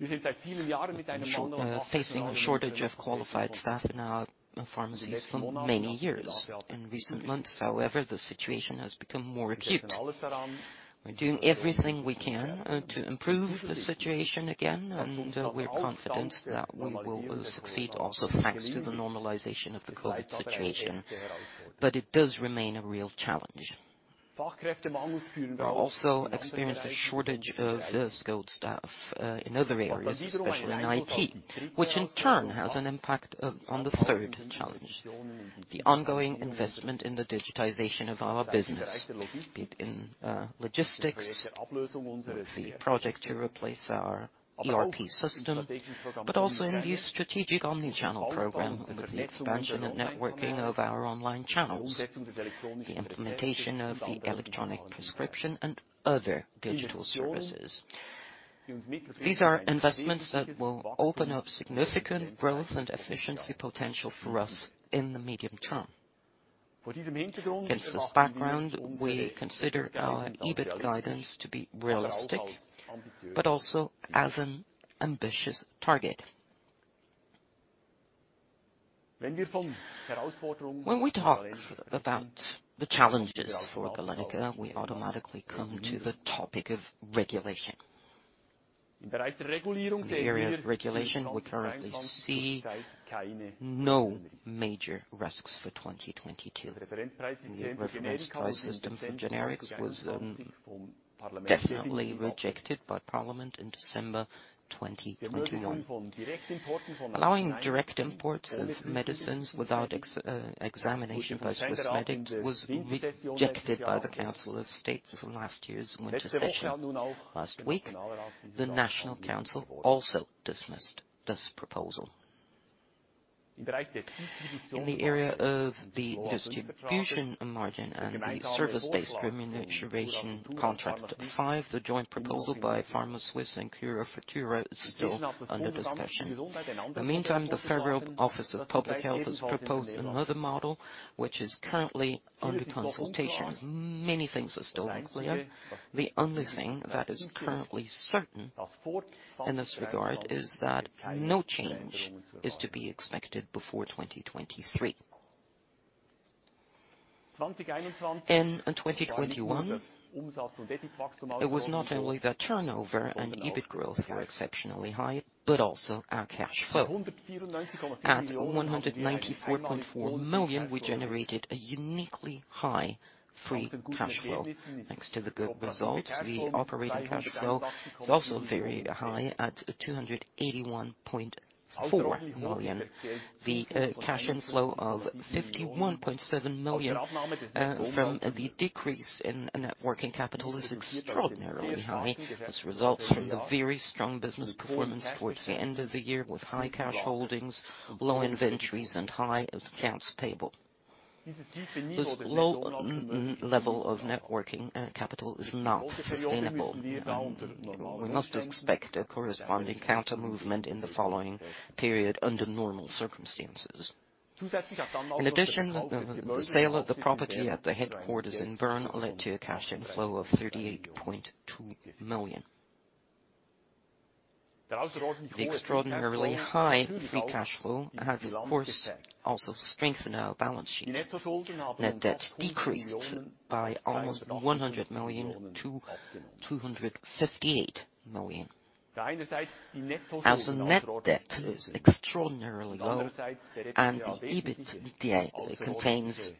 We've been facing a shortage of qualified staff in our pharmacies for many years. In recent months, however, the situation has become more acute. We're doing everything we can to improve the situation again, and we're confident that we will succeed also thanks to the normalization of the COVID situation. It does remain a real challenge. We are also experiencing a shortage of skilled staff in other areas, especially in IT, which in turn has an impact on the third challenge: the ongoing investment in the digitization of our business, be it in logistics, with the project to replace our ERP system, but also in the strategic omni-channel program, with the expansion and networking of our online channels, the implementation of the electronic prescription and other digital services. These are investments that will open up significant growth and efficiency potential for us in the medium term. Against this background, we consider our EBIT guidance to be realistic, but also as an ambitious target. When we talk about the challenges for Galenica, we automatically come to the topic of regulation. In the area of regulation, we currently see no major risks for 2022. The reference price system for generics was definitely rejected by parliament in December 2021. Allowing direct imports of medicines without examination by Swissmedic was rejected by the Council of States from last year's winter session. Last week, the National Council also dismissed this proposal. In the area of the distribution margin and the service-based remuneration contract five, the joint proposal by pharmaSuisse and curafutura is still under discussion. In the meantime, the Federal Office of Public Health has proposed another model, which is currently under consultation. Many things are still unclear. The only thing that is currently certain in this regard is that no change is to be expected before 2023. In 2021, it was not only the turnover and EBIT growth were exceptionally high, but also our cash flow. At 194.4 million, we generated a uniquely high free cash flow. Thanks to the good results, the operating cash flow is also very high at 281.4 million. The cash inflow of 51.7 million from the decrease in net working capital is extraordinarily high. This results from the very strong business performance towards the end of the year, with high cash holdings, low inventories, and high accounts payable. This low level of net working capital is not sustainable. We must expect a corresponding counter movement in the following period under normal circumstances. In addition, the sale of the property at the headquarters in Bern led to a cash inflow of 38.2 million. The extraordinarily high free cash flow has, of course, also strengthened our balance sheet. Net debt decreased by almost 100 million to 258 million. As the net debt is extraordinarily low and the EBIT contains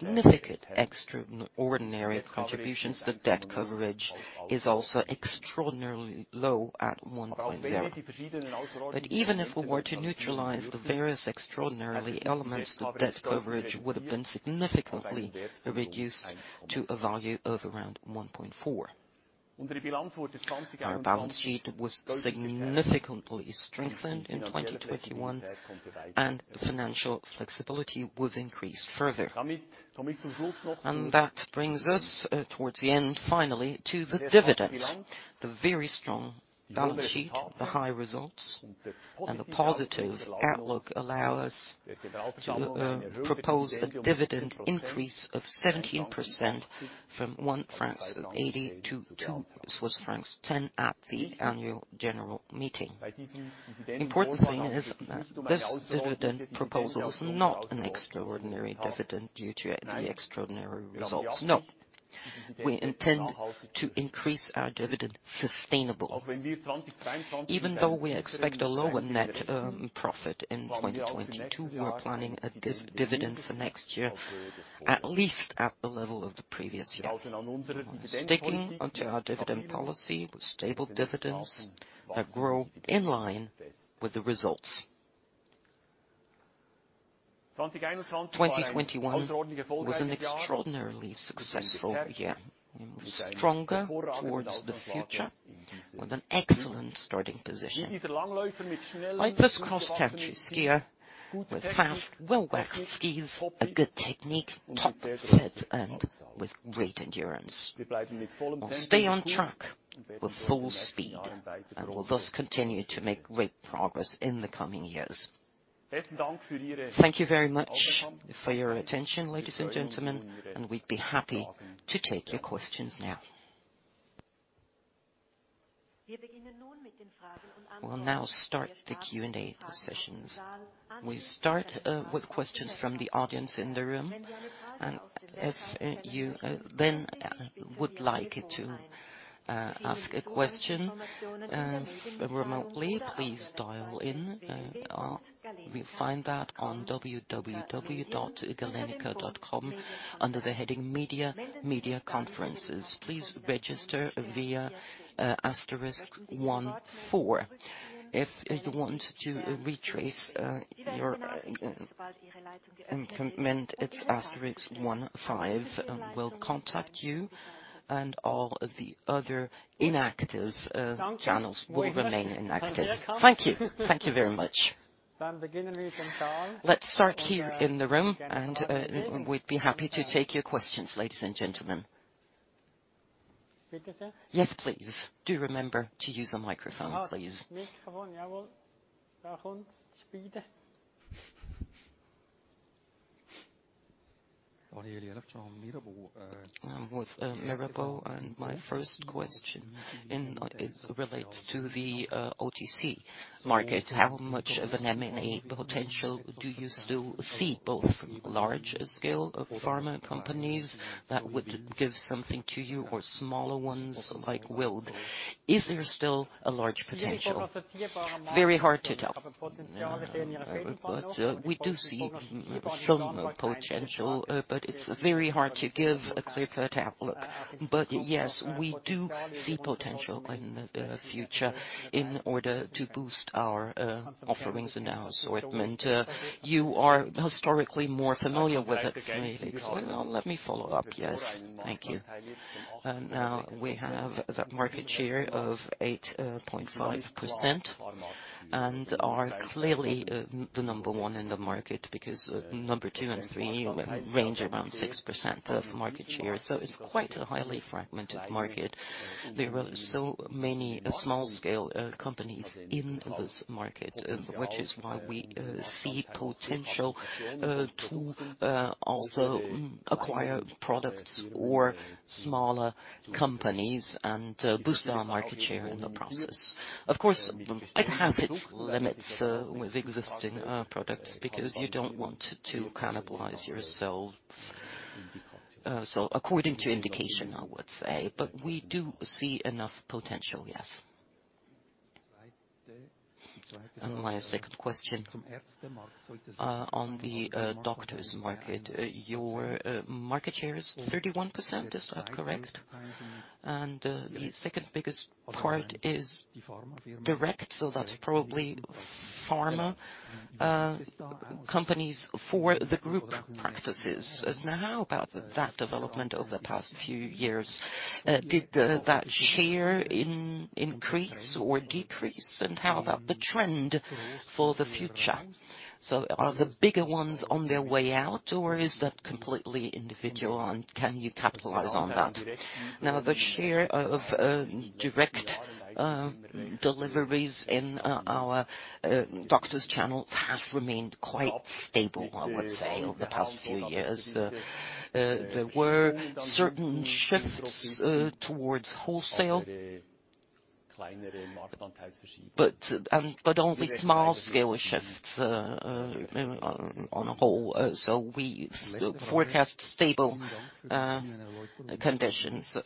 significant extraordinary contributions, the debt cove rage is also extraordinarily low at 1.0. But even if we were to neutralize the various extraordinary elements, the debt coverage would have been significantly reduced to a value of around 1.4. Our balance sheet was significantly strengthened in 2021, and financial flexibility was increased further. That brings us towards the end, finally, to the dividends. The very strong balance sheet, the high results, and the positive outlook allow us to propose a dividend increase of 17% from 1.80 francs to 2.10 Swiss francs at the annual general meeting. Important thing is that this dividend proposal is not an extraordinary dividend due to the extraordinary results. No. We intend to increase our dividend sustainable. Even though we expect a lower net profit in 2022, we are planning a dividend for next year, at least at the level of the previous year. Sticking to our dividend policy with stable dividends that grow in line with the results. 2021 was an extraordinarily successful year. We're stronger towards the future with an excellent starting position. Like this cross-country skier with fast, well-waxed skis, a good technique, top fit, and with great endurance. We'll stay on track with full speed, and will thus continue to make great progress in the coming years. Thank you very much for your attention, ladies and gentlemen, and we'd be happy to take your questions now. We'll now start the Q&A sessions. We start with questions from the audience in the room. Let's start here in the room, and we'd be happy to take your questions, ladies and gentlemen. Yes, please. Do remember to use a microphone, please. I'm with Mirabaud. My first question is related to the OTC market. How much of an M&A potential do you still see, both from large scale pharma companies that would give something to you, or smaller ones like Dr. Wild? Is there still a large potential? Very hard to tell. We do see some potential, but it's very hard to give a clear-cut outlook. Yes, we do see potential in the future in order to boost our offerings and our assortment. You are historically more familiar with it than me. Let me follow up, yes. Thank you. We have that market share of 8.5%, and are clearly the number one in the market, because number two and three range around 6% of market share. It's quite a highly fragmented market. There are so many small scale companies in this market, which is why we see potential to also acquire products or smaller companies and boost our market share in the process. Of course, it has its limits with existing products, because you don't want to cannibalize yourself. According to indication, I would say, but we do see enough potential, yes. My second question on the doctors market. Your market share is 31%, is that correct? The second biggest part is direct, so that's probably pharma companies for the group practices. Now, how about that development over the past few years? Did that share increase or decrease? How about the trend for the future? Are the bigger ones on their way out, or is that completely individual, and can you capitalize on that? Now, the share of direct deliveries in our doctors channel has remained quite stable, I would say, over the past few years. There were certain shifts towards wholesale, but only small scale shifts on a whole. We forecast stable conditions.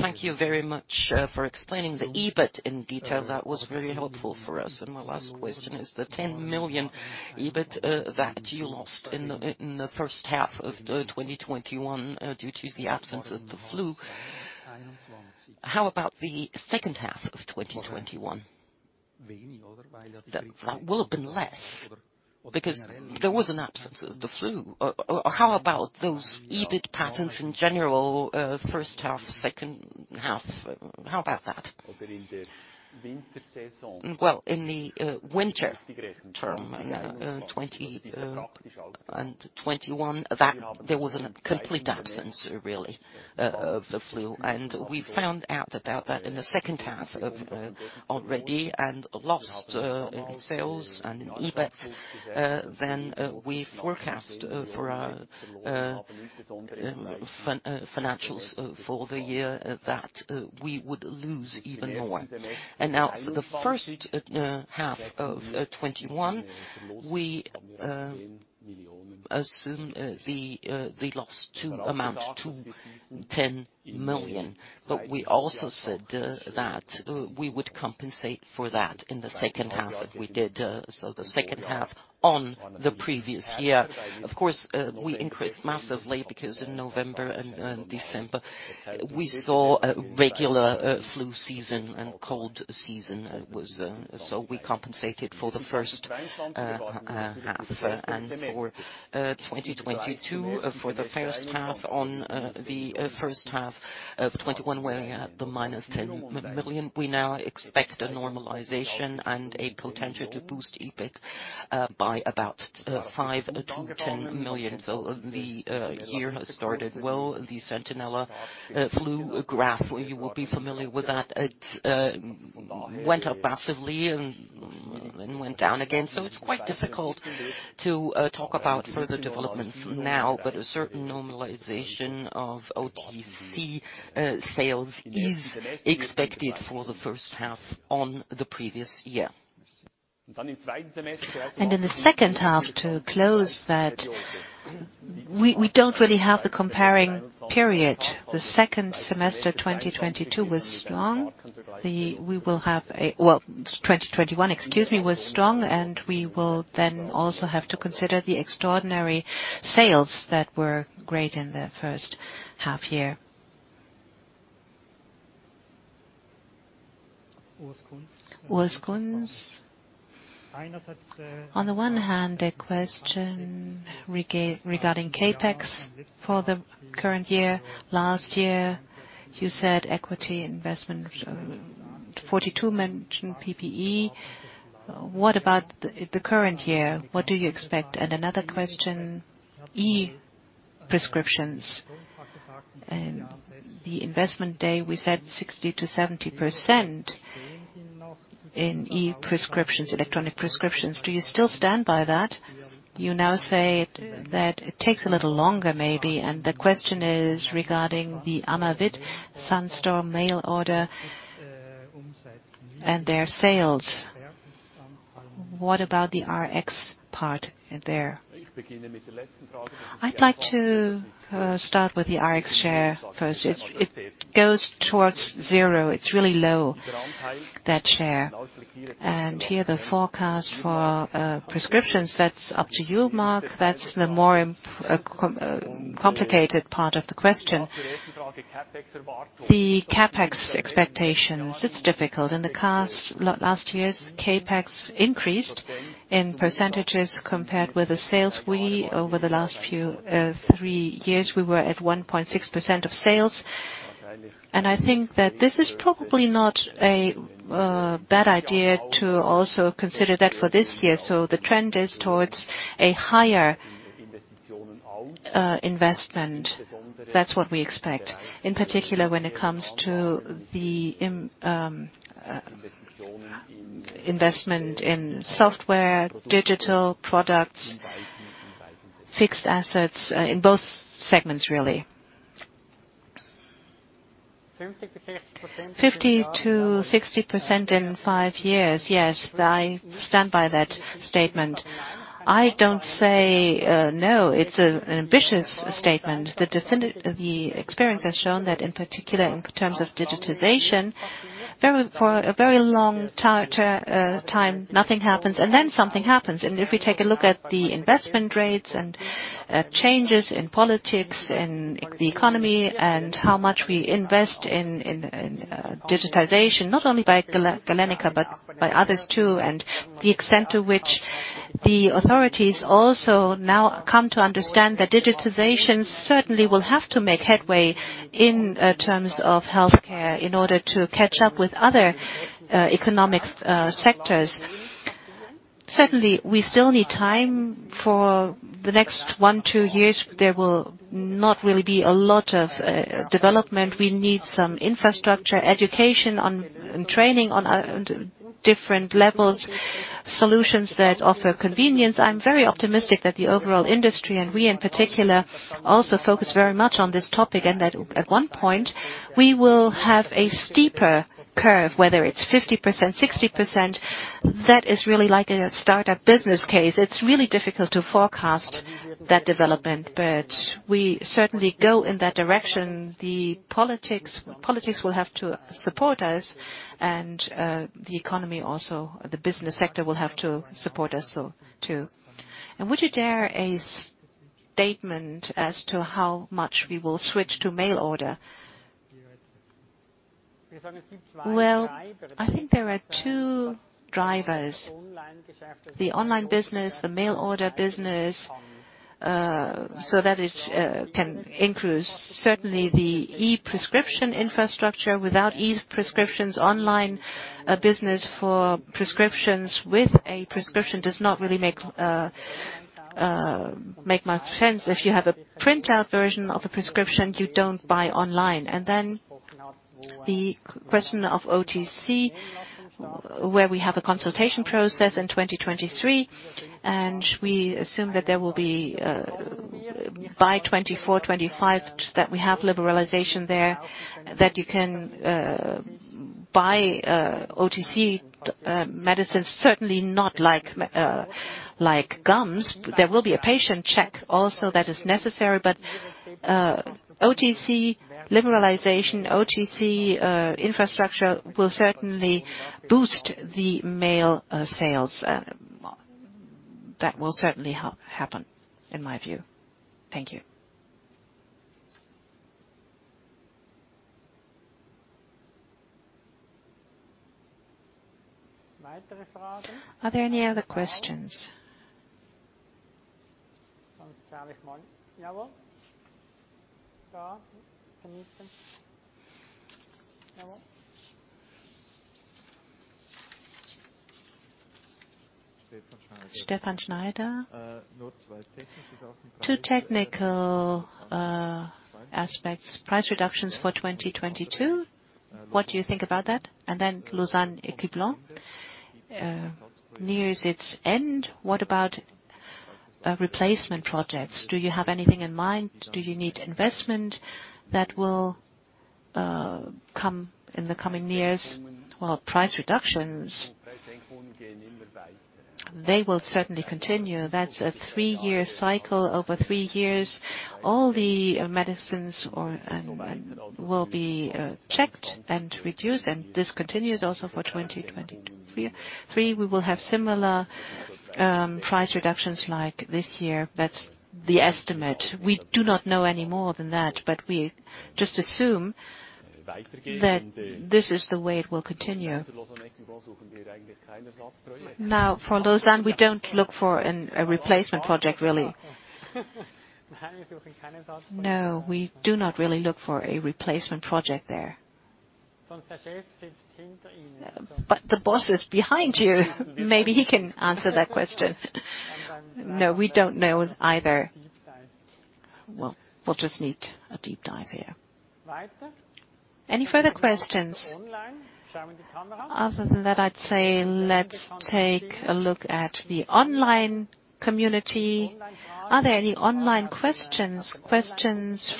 Thank you very much for explaining the EBIT in detail. That was very helpful for us. My last question is the 10 million EBIT that you lost in the first half of 2021 due to the absence of the flu. How about the second half of 2021? That will have been less because there was an absence of the flu. Or how about those EBIT patterns in general, first half, second half? How about that? Well, in the winter term, 20 and 2021, there was a complete absence, really, of the flu. We found out about that in the second half already and lost in sales and in EBIT. We forecast for our financials for the year that we would lose even more. Now for the first half of 2021, we assume the loss to amount to 10 million. We also said that we would compensate for that in the second half, if we did so, the second half on the previous year. Of course, we increased massively because in November and December we saw a regular flu season and cold season was so we compensated for the first half. For 2022, for the first half on the first half of 2021, we had the minus 10 million. We now expect a normalization and a potential to boost EBIT by about 5 million-10 million. The year has started well. The Sentinella flu graph, you will be familiar with that. It went up massively and then went down again. It's quite difficult to talk about further developments now. A certain normalization of OTC sales is expected for the first half on the previous year. In the second half to close that, we don't really have the comparing period. The second semester 2022 was strong. 2021, excuse me, was strong. We will then also have to consider the extraordinary sales that were great in the first half year. Urs Kunz. On the one hand, a question regarding CapEx for the current year. Last year, you said equity investment, 42, mentioned PPE. What about the current year? What do you expect? Another question, e-prescriptions. In the investment day, we said 60%-70%. In e-prescriptions, electronic prescriptions. Do you still stand by that? You now say that it takes a little longer maybe, and the question is regarding the Amavita, Sun Store mail order, and their sales. What about the Rx part there? I'd like to start with the Rx share first. It goes towards zero. It's really low, that share. Here the forecast for prescriptions, that's up to you, Marc. That's the more complicated part of the question. The CapEx expectations, it's difficult. In the past years, CapEx increased in percentages compared with the sales. We, over the last few three years, we were at 1.6% of sales. I think that this is probably not a bad idea to also consider that for this year. The trend is towards a higher investment. That's what we expect, in particular, when it comes to the investment in software, digital products, fixed assets in both segments, really. 50%-60% in five years, yes, I stand by that statement. I don't say no. It's an ambitious statement. The experience has shown that in particular in terms of digitization, for a very long time, nothing happens, and then something happens. If we take a look at the investment rates and changes in politics, in the economy, and how much we invest in digitization, not only by Galenica, but by others too, and the extent to which the authorities also now come to understand that digitization certainly will have to make headway in terms of healthcare in order to catch up with other economic sectors. Certainly, we still need time for the next one to two years. There will not really be a lot of development. We need some infrastructure, education on, and training on different levels, solutions that offer convenience. I'm very optimistic that the overall industry, and we in particular, also focus very much on this topic, and that at one point, we will have a steeper curve, whether it's 50%, 60%. That is really like a start-up business case. It's really difficult to forecast that development, but we certainly go in that direction. The politics will have to support us, and the economy also. The business sector will have to support us so too. Would you dare a statement as to how much we will switch to mail order? Well, I think there are two drivers. The online business, the mail order business, so that it can increase certainly the e-prescription infrastructure. Without e-prescriptions, online business for prescriptions with a prescription does not really make much sense. If you have a printout version of a prescription, you don't buy online. The question of OTC, where we have a consultation process in 2023, and we assume that there will be, by 2024, 2025, that we have liberalization there, that you can buy OTC medicines, certainly not like gums. There will be a patient check also that is necessary, but OTC liberalization, OTC infrastructure will certainly boost the mail sales. That will certainly happen in my view. Thank you. Are there any other questions? Stefan Schneider. Two technical aspects. Price reductions for 2022. What do you think about that? Lausanne-Ecublens nears its end. What about replacement projects? Do you have anything in mind? Do you need investment that will come in the coming years? Well, price reductions, they will certainly continue. That's a three-year cycle. Over three years, all the medicines will be checked and reduced, and this continues also for 2022. 2023, we will have similar price reductions like this year. That's the estimate. We do not know any more than that, but we just assume that this is the way it will continue. Now for Lausanne, we don't look for a replacement project, really. No, we do not really look for a replacement project there. The boss is behind you. Maybe he can answer that question. No, we don't know either. We'll just need a deep dive here. Any further questions? Other than that, I'd say let's take a look at the online community. Are there any online questions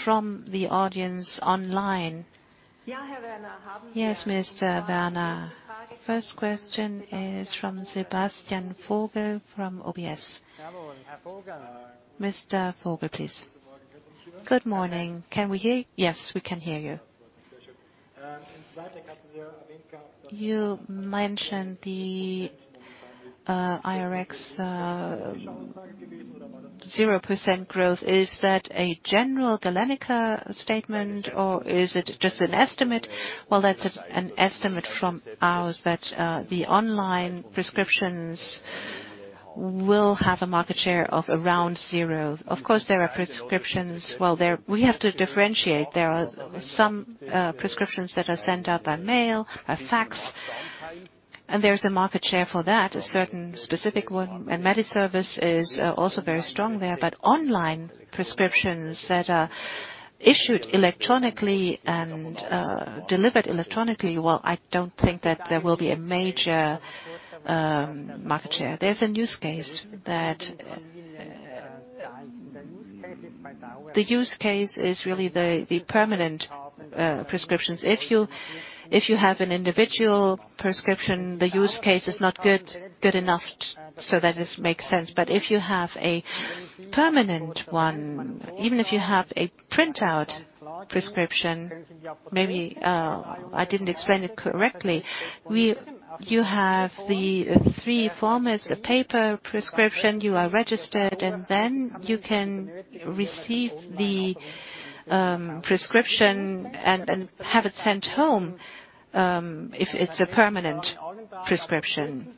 from the audience online? Yes, Mr. Werner. First question is from Sebastian Vogel from UBS. Mr. Vogel, please. Good morning. Can we hear you? Yes, we can hear you. You mentioned the Rx 0% growth. Is that a general Galenica statement or is it just an estimate? Well, that's an estimate from ours that the online prescriptions will have a market share of around 0%. Of course, there are prescriptions. We have to differentiate. There are some prescriptions that are sent out by mail, by fax, and there's a market share for that, a certain specific one. And MediService is also very strong there. Online prescriptions that are issued electronically and delivered electronically, well, I don't think that there will be a major market share. The use case is really the permanent prescriptions. If you have an individual prescription, the use case is not good enough so that it makes sense. If you have a permanent one, even if you have a printout prescription, maybe I didn't explain it correctly. You have the three formats, a paper prescription, you are registered, and then you can receive the prescription and have it sent home, if it's a permanent prescription.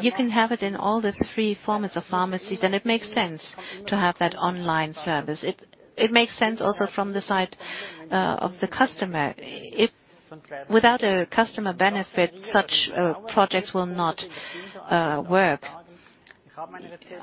You can have it in all the three formats of pharmacies, and it makes sense to have that online service. It makes sense also from the side of the customer. Without a customer benefit, such projects will not work.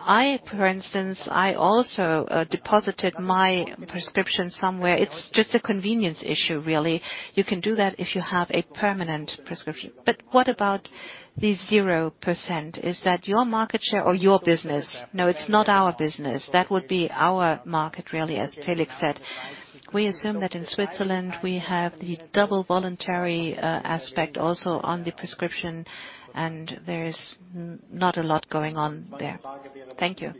I, for instance, also deposited my prescription somewhere. It's just a convenience issue, really. You can do that if you have a permanent prescription. What about the 0%? Is that your market share or your business? No, it's not our business. That would be our market, really, as Felix said. We assume that in Switzerland, we have the double voluntary aspect also on the prescription, and there is not a lot going on there. Thank you.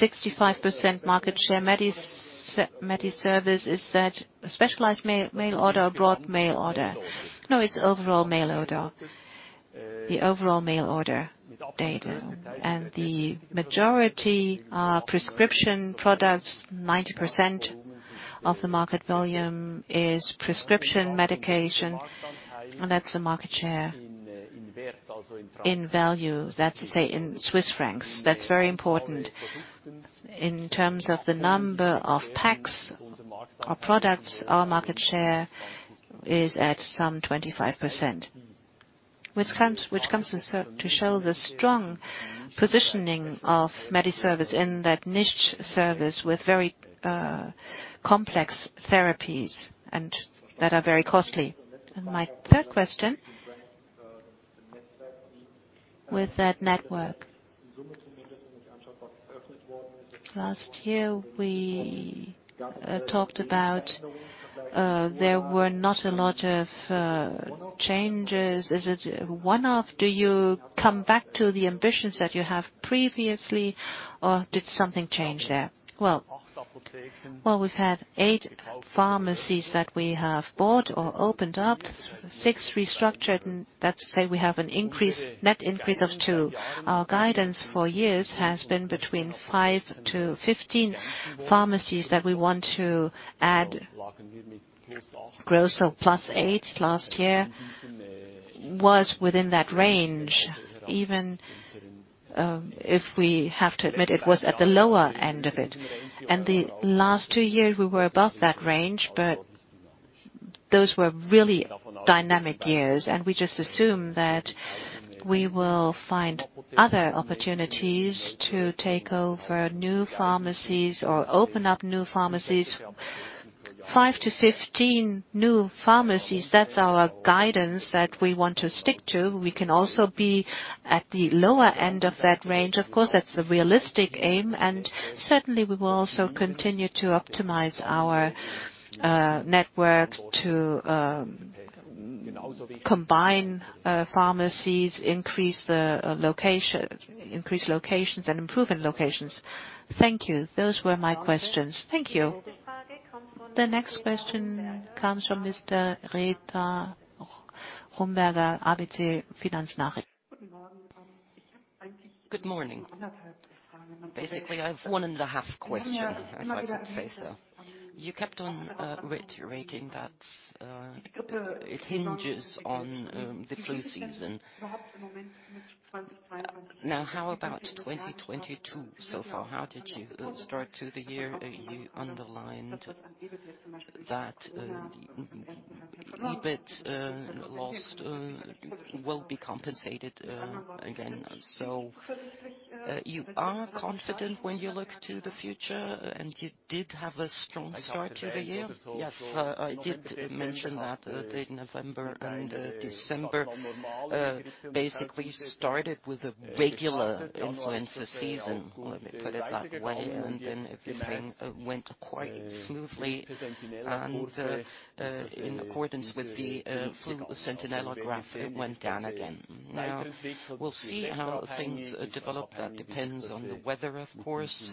65% market share. MediService, is that a specialized mail order, broad mail order? No, it's overall mail order. The overall mail order data. And the majority are prescription products. 90% of the market volume is prescription medication. That's the market share in value. That's to say in Swiss francs. That's very important. In terms of the number of packs or products, our market share is at some 25%, which comes to show the strong positioning of MediService in that niche service with very complex therapies and that are very costly. My third question. With that network. Last year, we talked about there were not a lot of changes. Do you come back to the ambitions that you have previously, or did something change there? Well, we've had eight pharmacies that we have bought or opened up, six restructured. That's to say we have an increase, net increase of two. Our guidance for years has been between five to 15 pharmacies that we want to add. Growth of +8 last year was within that range, even if we have to admit it was at the lower end of it. The last two years, we were above that range. But those were really dynamic years, and we just assume that we will find other opportunities to take over new pharmacies or open up new pharmacies. Five to 15 new pharmacies, that's our guidance that we want to stick to. We can also be at the lower end of that range. Of course, that's the realistic aim. Certainly, we will also continue to optimize our network to combine pharmacies, increase locations and improve in locations. Thank you. Those were my questions. Thank you. The next question comes from Henrietta Rumberger, AWP Finanznachrichten. Good morning. Basically, I have one and a half question, if I could say so. You kept on reiterating that it hinges on the flu season. Now, how about 2022 so far? How did you start to the year? You underlined that the EBIT loss will be compensated again. So you are confident when you look to the future, and you did have a strong start to the year? Yes. I did mention that the November and December basically started with a regular influenza season. Let me put it that way. Then everything went quite smoothly and in accordance with the Sentinella graph, it went down again. Now, we'll see how things develop. That depends on the weather, of course.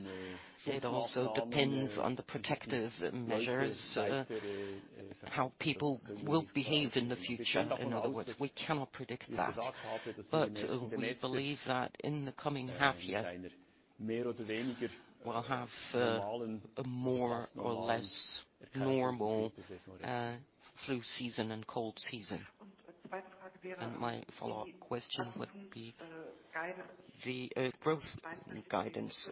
It also depends on the protective measures, how people will behave in the future, in other words. We cannot predict that. We believe that in the coming half year, we'll have a more or less normal flu season and cold season. My follow-up question would be the growth guidance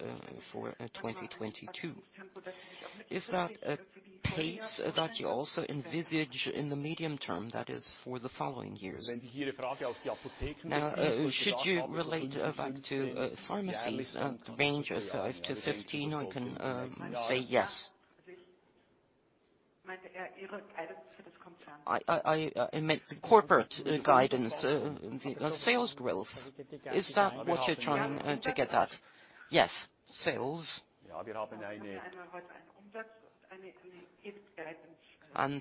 for 2022. Is that a pace that you also envisage in the medium term, that is, for the following years? Now, should you relate back to pharmacies and range of 5%-15%, I can say yes. I meant the corporate guidance, the sales growth. Is that what you're trying to get at? Yes. Sales.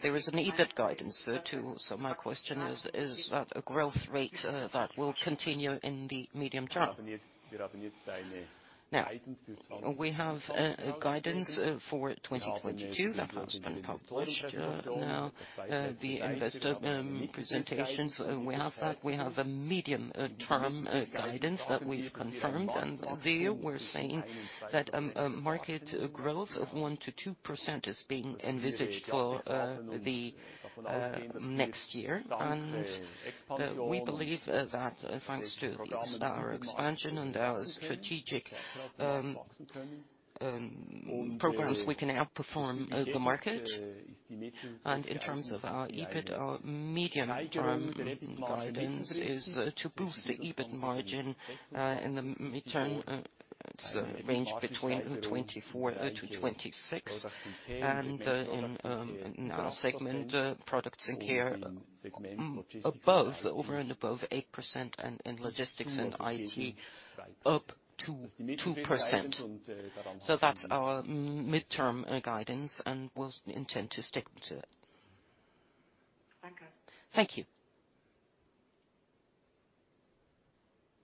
There is an EBIT guidance too. My question is that a growth rate that will continue in the medium term? Now, we have a guidance for 2022 that has been published in the investor presentations. We have that. We have a medium-term guidance that we've confirmed, and there we're saying that a market growth of 1%-2% is being envisaged for the next year. We believe that thanks to our expansion and our strategic programs, we can outperform the market. In terms of our EBIT, our medium-term guidance is to boost the EBIT margin in the mid-term. It's a range between 24%-26%. In our segment products and care over and above 8%, and in logistics and IT, up to 2%. That's our midterm guidance, and we'll intend to stick to it. Thank you.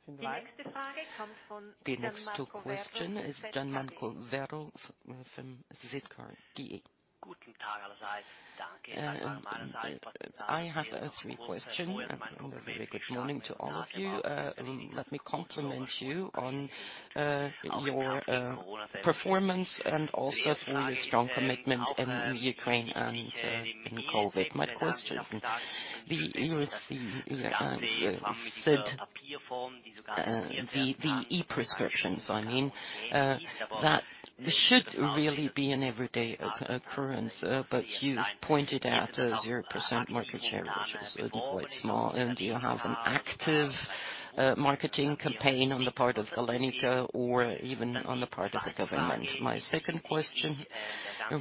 The next question is Gian Marco Werro from Zürcher Kantonalbank. I have three questions. A very good morning to all of you. Let me compliment you on your performance and also for your strong commitment in Ukraine and in COVID. My questions, the e-prescriptions, I mean, that should really be an everyday occurrence. But you pointed out a 0% market share, which is quite small. Do you have an active marketing campaign on the part of Galenica or even on the part of the government? My second question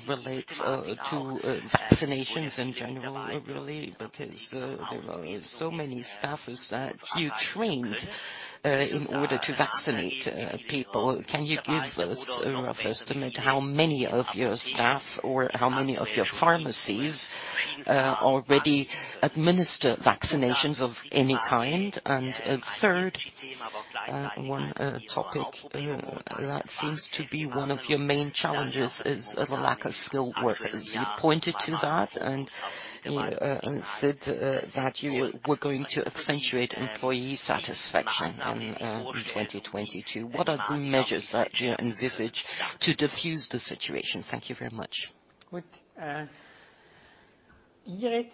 relates to vaccinations in general, really, because there are so many staffers that you trained in order to vaccinate people. Can you give us a rough estimate how many of your staff or how many of your pharmacies already administer vaccinations of any kind? A third one topic that seems to be one of your main challenges is the lack of skilled workers. You pointed to that and you said that you were going to accentuate employee satisfaction in 2022. What are the measures that you envisage to diffuse the situation? Thank you very much. Good.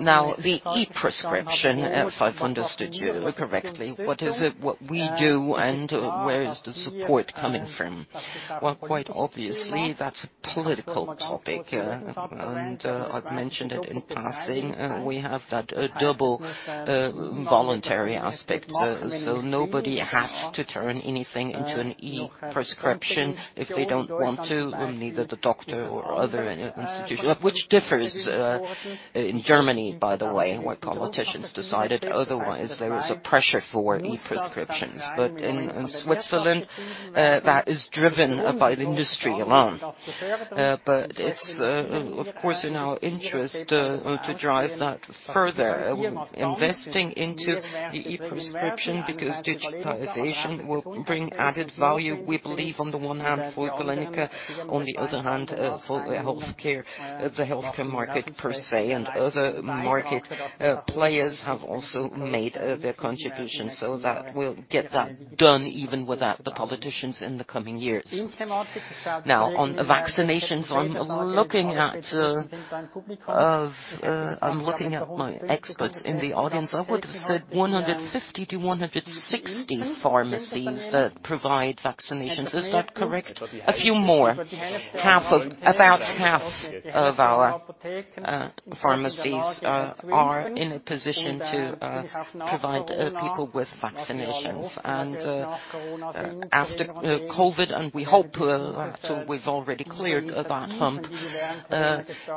Now the e-prescription, if I've understood you correctly, what is it, what we do, and where is the support coming from? Well, quite obviously, that's a political topic. I've mentioned it in passing. We have that double voluntary aspect, so nobody has to turn anything into an e-prescription if they don't want to, neither the doctor or other institution. Which differs in Germany, by the way, where politicians decided otherwise. There is a pressure for e-prescriptions. In Switzerland, that is driven by the industry alone. It's, of course, in our interest to drive that further. Investing into the e-prescription because digitalization will bring added value, we believe on the one hand for Galenica, on the other hand, for the healthcare market per se. Other market players have also made their contribution, so that we'll get that done even without the politicians in the coming years. Now, on vaccinations, I'm looking at my experts in the audience. I would've said 150-160 pharmacies that provide vaccinations. Is that correct? A few more. Half of... About half of our pharmacies are in a position to provide people with vaccinations. After COVID, we've already cleared that hump.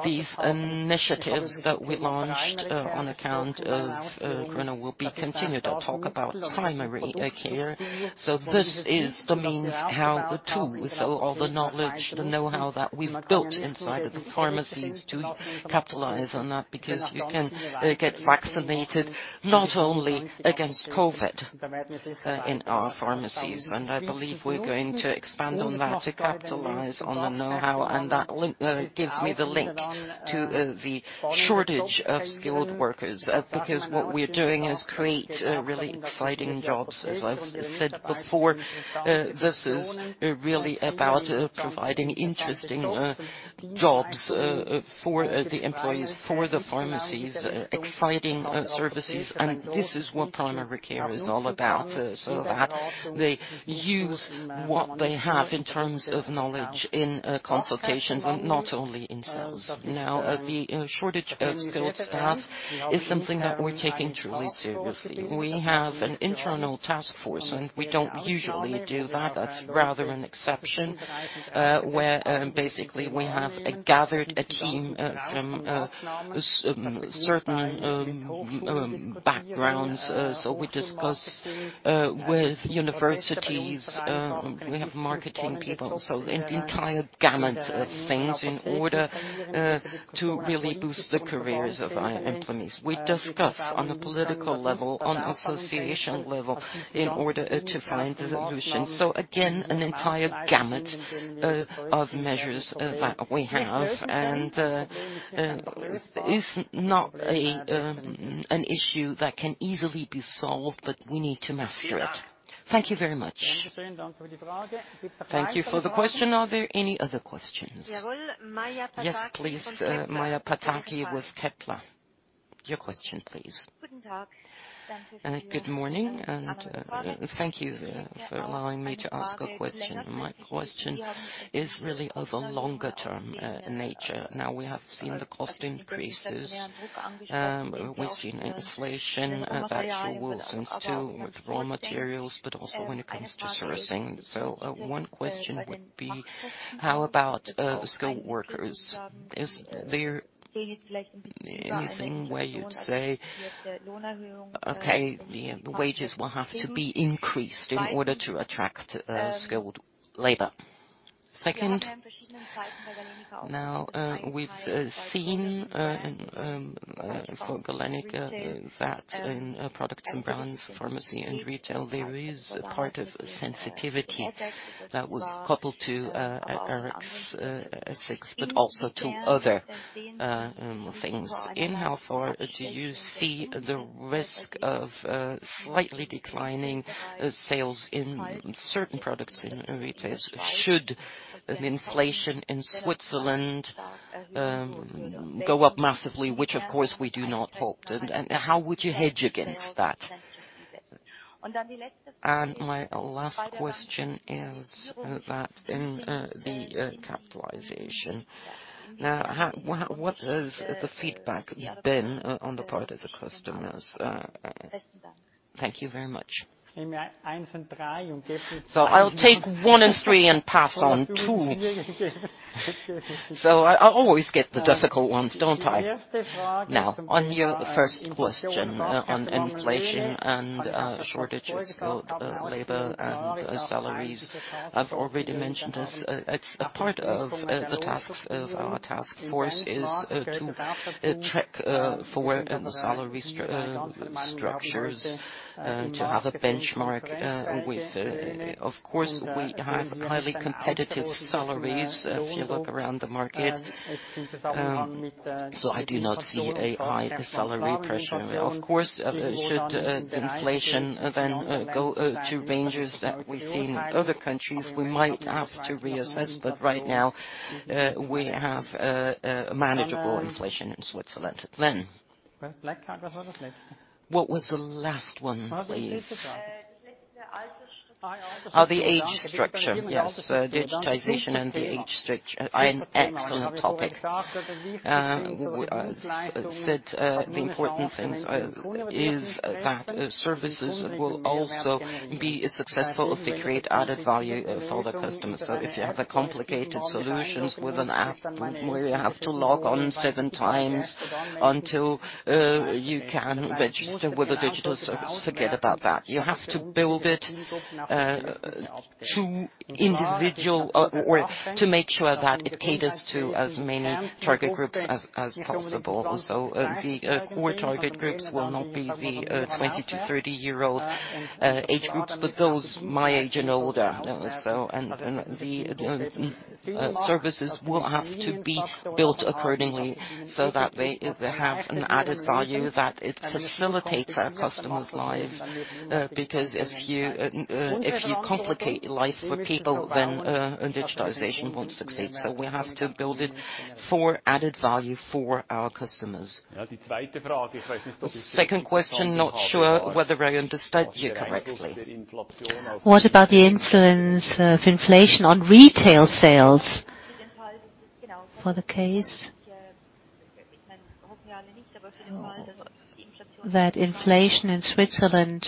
These initiatives that we launched on account of Corona will be continued. I'll talk about primary care. This is the means how the tools or the knowledge, the know-how that we've built inside of the pharmacies to capitalize on that. Because you can get vaccinated not only against COVID in our pharmacies. I believe we're going to expand on that to capitalize on the know-how, and that link gives me the link to the shortage of skilled workers. Because what we're doing is create really exciting jobs. As I've said before, this is really about providing interesting jobs for the employees, for the pharmacies, exciting services. This is what primary care is all about. So that they use what they have in terms of knowledge in consultations and not only in sales. Now, the shortage of skilled staff is something that we're taking truly seriously. We have an internal task force, and we don't usually do that. That's rather an exception, where basically we have gathered a team from certain backgrounds. We discuss with universities, we have marketing people. The entire gamut of things in order to really boost the careers of our employees. We discuss on a political level, on association level in order to find the solutions. Again, an entire gamut of measures that we have. It is not an issue that can easily be solved, but we need to master it. Thank you very much. Thank you for the question. Are there any other questions? Yes, please, Maja Pataki with Kepler. Your question, please. Good morning, thank you for allowing me to ask a question. My question is really of a longer-term nature. Now, we have seen the cost increases, we've seen inflation of actual goods and still with raw materials but also when it comes to sourcing. One question would be: How about skilled workers? Is there anything where you'd say, "Okay, the wages will have to be increased in order to attract skilled labor"? Second, we've seen for Galenica that in products and brands, pharmacy and retail, there is a part of sensitivity that was coupled to risks, ethics, but also to other things. In how far do you see the risk of slightly declining sales in certain products in retail? Should an inflation in Switzerland go up massively, which of course we do not hope. How would you hedge against that? My last question is that in the capitalization. What has the feedback been on the part of the customers? Thank you very much. I'll take one and three and pass on two. I always get the difficult ones, don't I? Now, on your first question on inflation and shortages of labor and salaries, I've already mentioned this. It's a part of the task of our task force is to track for salary structures to have a benchmark. We've of course we have highly competitive salaries if you look around the market. So I do not see a high salary pressure. Of course, should the inflation then go to ranges that we see in other countries, we might have to reassess. Right now, we have a manageable inflation in Switzerland. Then? What was the last one, please? The age structure. Oh, the age structure. Yes, digitization and the age structure are an excellent topic. I said, the important things are that services will also be as successful if they create added value for the customer. If you have a complicated solutions with an app where you have to log on seven times until you can register with a digital service, forget about that. You have to build it to individual or to make sure that it caters to as many target groups as possible. The core target groups will not be the 20 to 30-year-old age groups, but those my age and older. The services will have to be built accordingly so that they have an added value that it facilitates our customers lives. Because if you complicate life for people, then digitalization won't succeed. We have to build it for added value for our customers. The second question, not sure whether I understood you correctly. What about the influence of inflation on retail sales? For the case that inflation in Switzerland,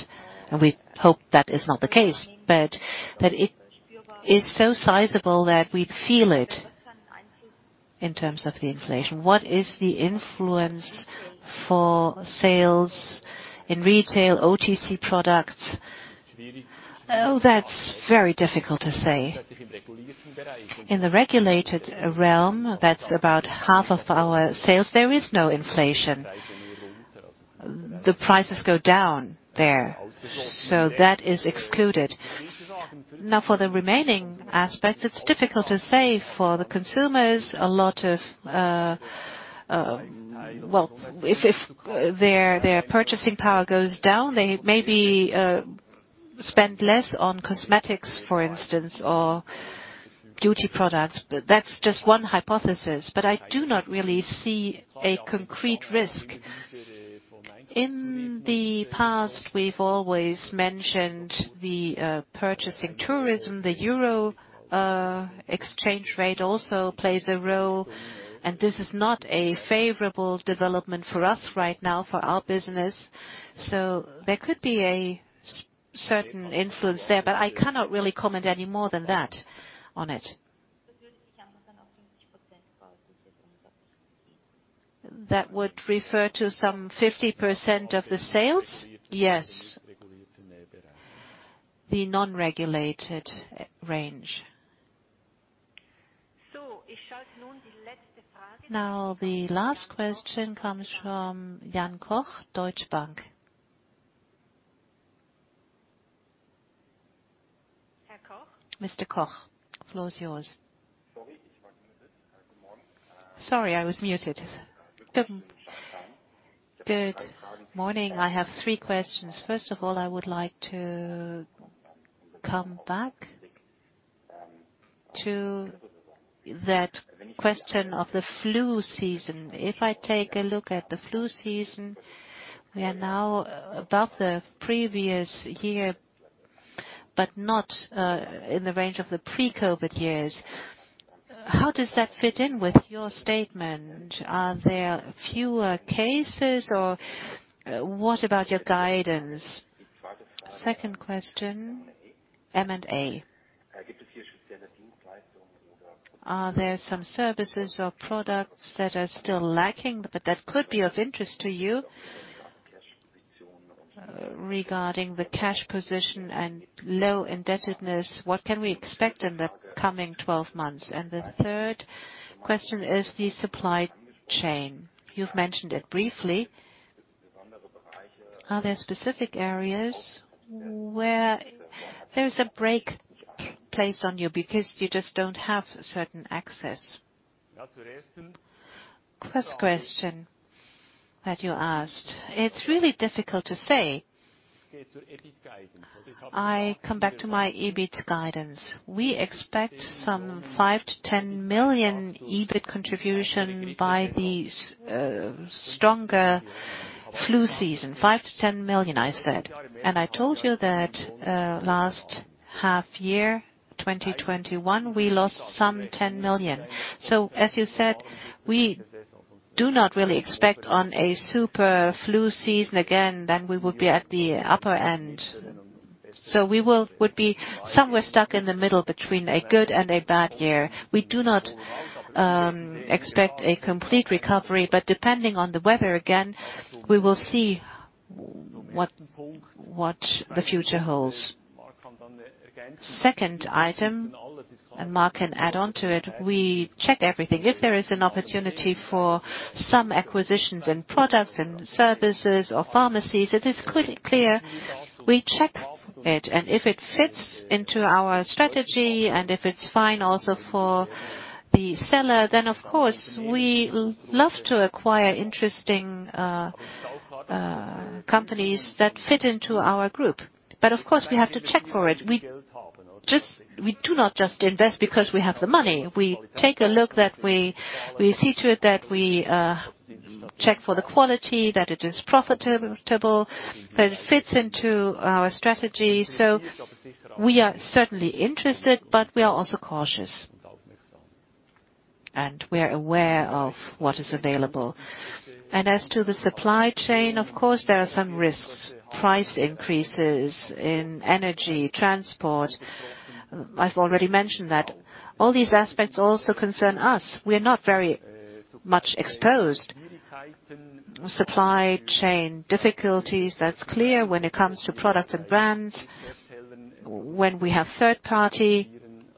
we hope that is not the case, but that it is so sizable that we feel it in terms of the inflation. What is the influence for sales in retail OTC products? Oh, that's very difficult to say. In the regulated realm, that's about half of our sales. There is no inflation. The prices go down there, so that is excluded. Now, for the remaining aspects, it's difficult to say. For the consumers, a lot of. Well, if their purchasing power goes down, they maybe spend less on cosmetics, for instance, or beauty products. That's just one hypothesis. I do not really see a concrete risk. In the past, we've always mentioned the purchasing tourism. The euro exchange rate also plays a role, and this is not a favorable development for us right now for our business. There could be a certain influence there, but I cannot really comment any more than that on it. That would refer to some 50% of the sales? Yes. The non-regulated range. Now, the last question comes from Jan Koch, Deutsche Bank. Mr. Koch, the floor is yours. Sorry, I was muted. Good morning. I have three questions. First of all, I would like to come back to that question of the flu season. If I take a look at the flu season, we are now above the previous year, but not in the range of the pre-COVID years. How does that fit in with your statement? Are there fewer cases or what about your guidance? Second question, M&A. Are there some services or products that are still lacking, but that could be of interest to you? Regarding the cash position and low indebtedness, what can we expect in the coming 12 months? The third question is the supply chain. You've mentioned it briefly. Are there specific areas where there's a brake placed on you because you just don't have certain access? First question that you asked. It's really difficult to say. I come back to my EBIT guidance. We expect some 5 million-10 million EBIT contribution by the stronger flu season. 5 million-10 million, I said. I told you that last half year, 2021, we lost some 10 million. As you said, we do not really expect on a super flu season again, then we would be at the upper end. We would be somewhere stuck in the middle between a good and a bad year. We do not expect a complete recovery, but depending on the weather, again, we will see what the future holds. Second item, Marc can add on to it, we check everything. If there is an opportunity for some acquisitions in products and services or pharmacies, it is clear, we check it. If it fits into our strategy and if it's fine also for the seller, then of course we love to acquire interesting companies that fit into our group. Of course, we have to check for it. We do not just invest because we have the money. We take a look that we see to it that we check for the quality, that it is profitable, that it fits into our strategy. We are certainly interested, but we are also cautious. We're aware of what is available. As to the supply chain, of course, there are some risks. Price increases in energy, transport. I've already mentioned that. All these aspects also concern us. We are not very much exposed. Supply chain difficulties, that's clear when it comes to products and brands. When we have third-party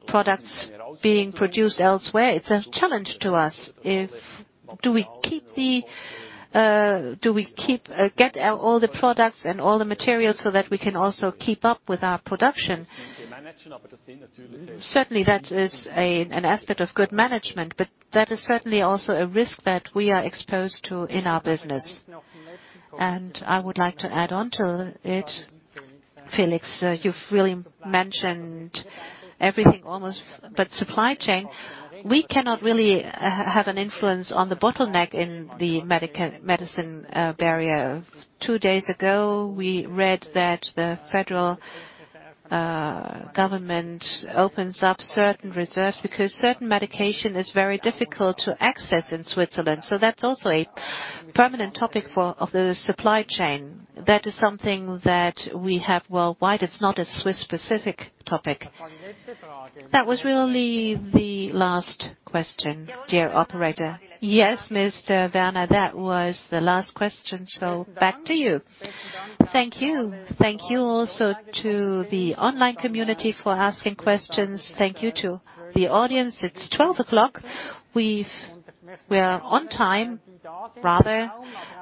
products being produced elsewhere, it's a challenge to us if we get all the products and all the materials so that we can also keep up with our production? Certainly, that is an aspect of good management, but that is certainly also a risk that we are exposed to in our business. I would like to add on to it, Felix Burkhard. You've really mentioned everything, almost, but supply chain. We cannot really have an influence on the bottleneck in the medicine barrier. Two days ago, we read that the federal government opens up certain reserves because certain medication is very difficult to access in Switzerland. That's also a permanent topic for of the supply chain. That is something that we have worldwide. It's not a Swiss-specific topic. That was really the last question, dear operator. Yes, Mr. Werner, that was the last question, so back to you. Thank you. Thank you also to the online community for asking questions. Thank you to the audience. It's 12:00. We're on time. Rather,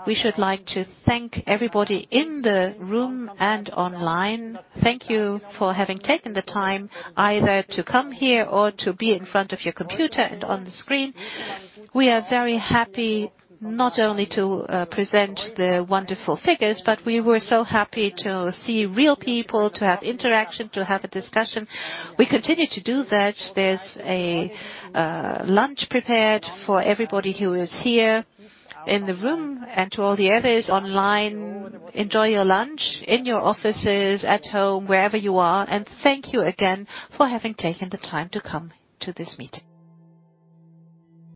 we should like to thank everybody in the room and online. Thank you for having taken the time either to come here or to be in front of your computer and on the screen. We are very happy not only to present the wonderful figures, but we were so happy to see real people, to have interaction, to have a discussion. We continue to do that. There's a lunch prepared for everybody who is here in the room and to all the others online. Enjoy your lunch in your offices, at home, wherever you are. Thank you again for having taken the time to come to this meeting.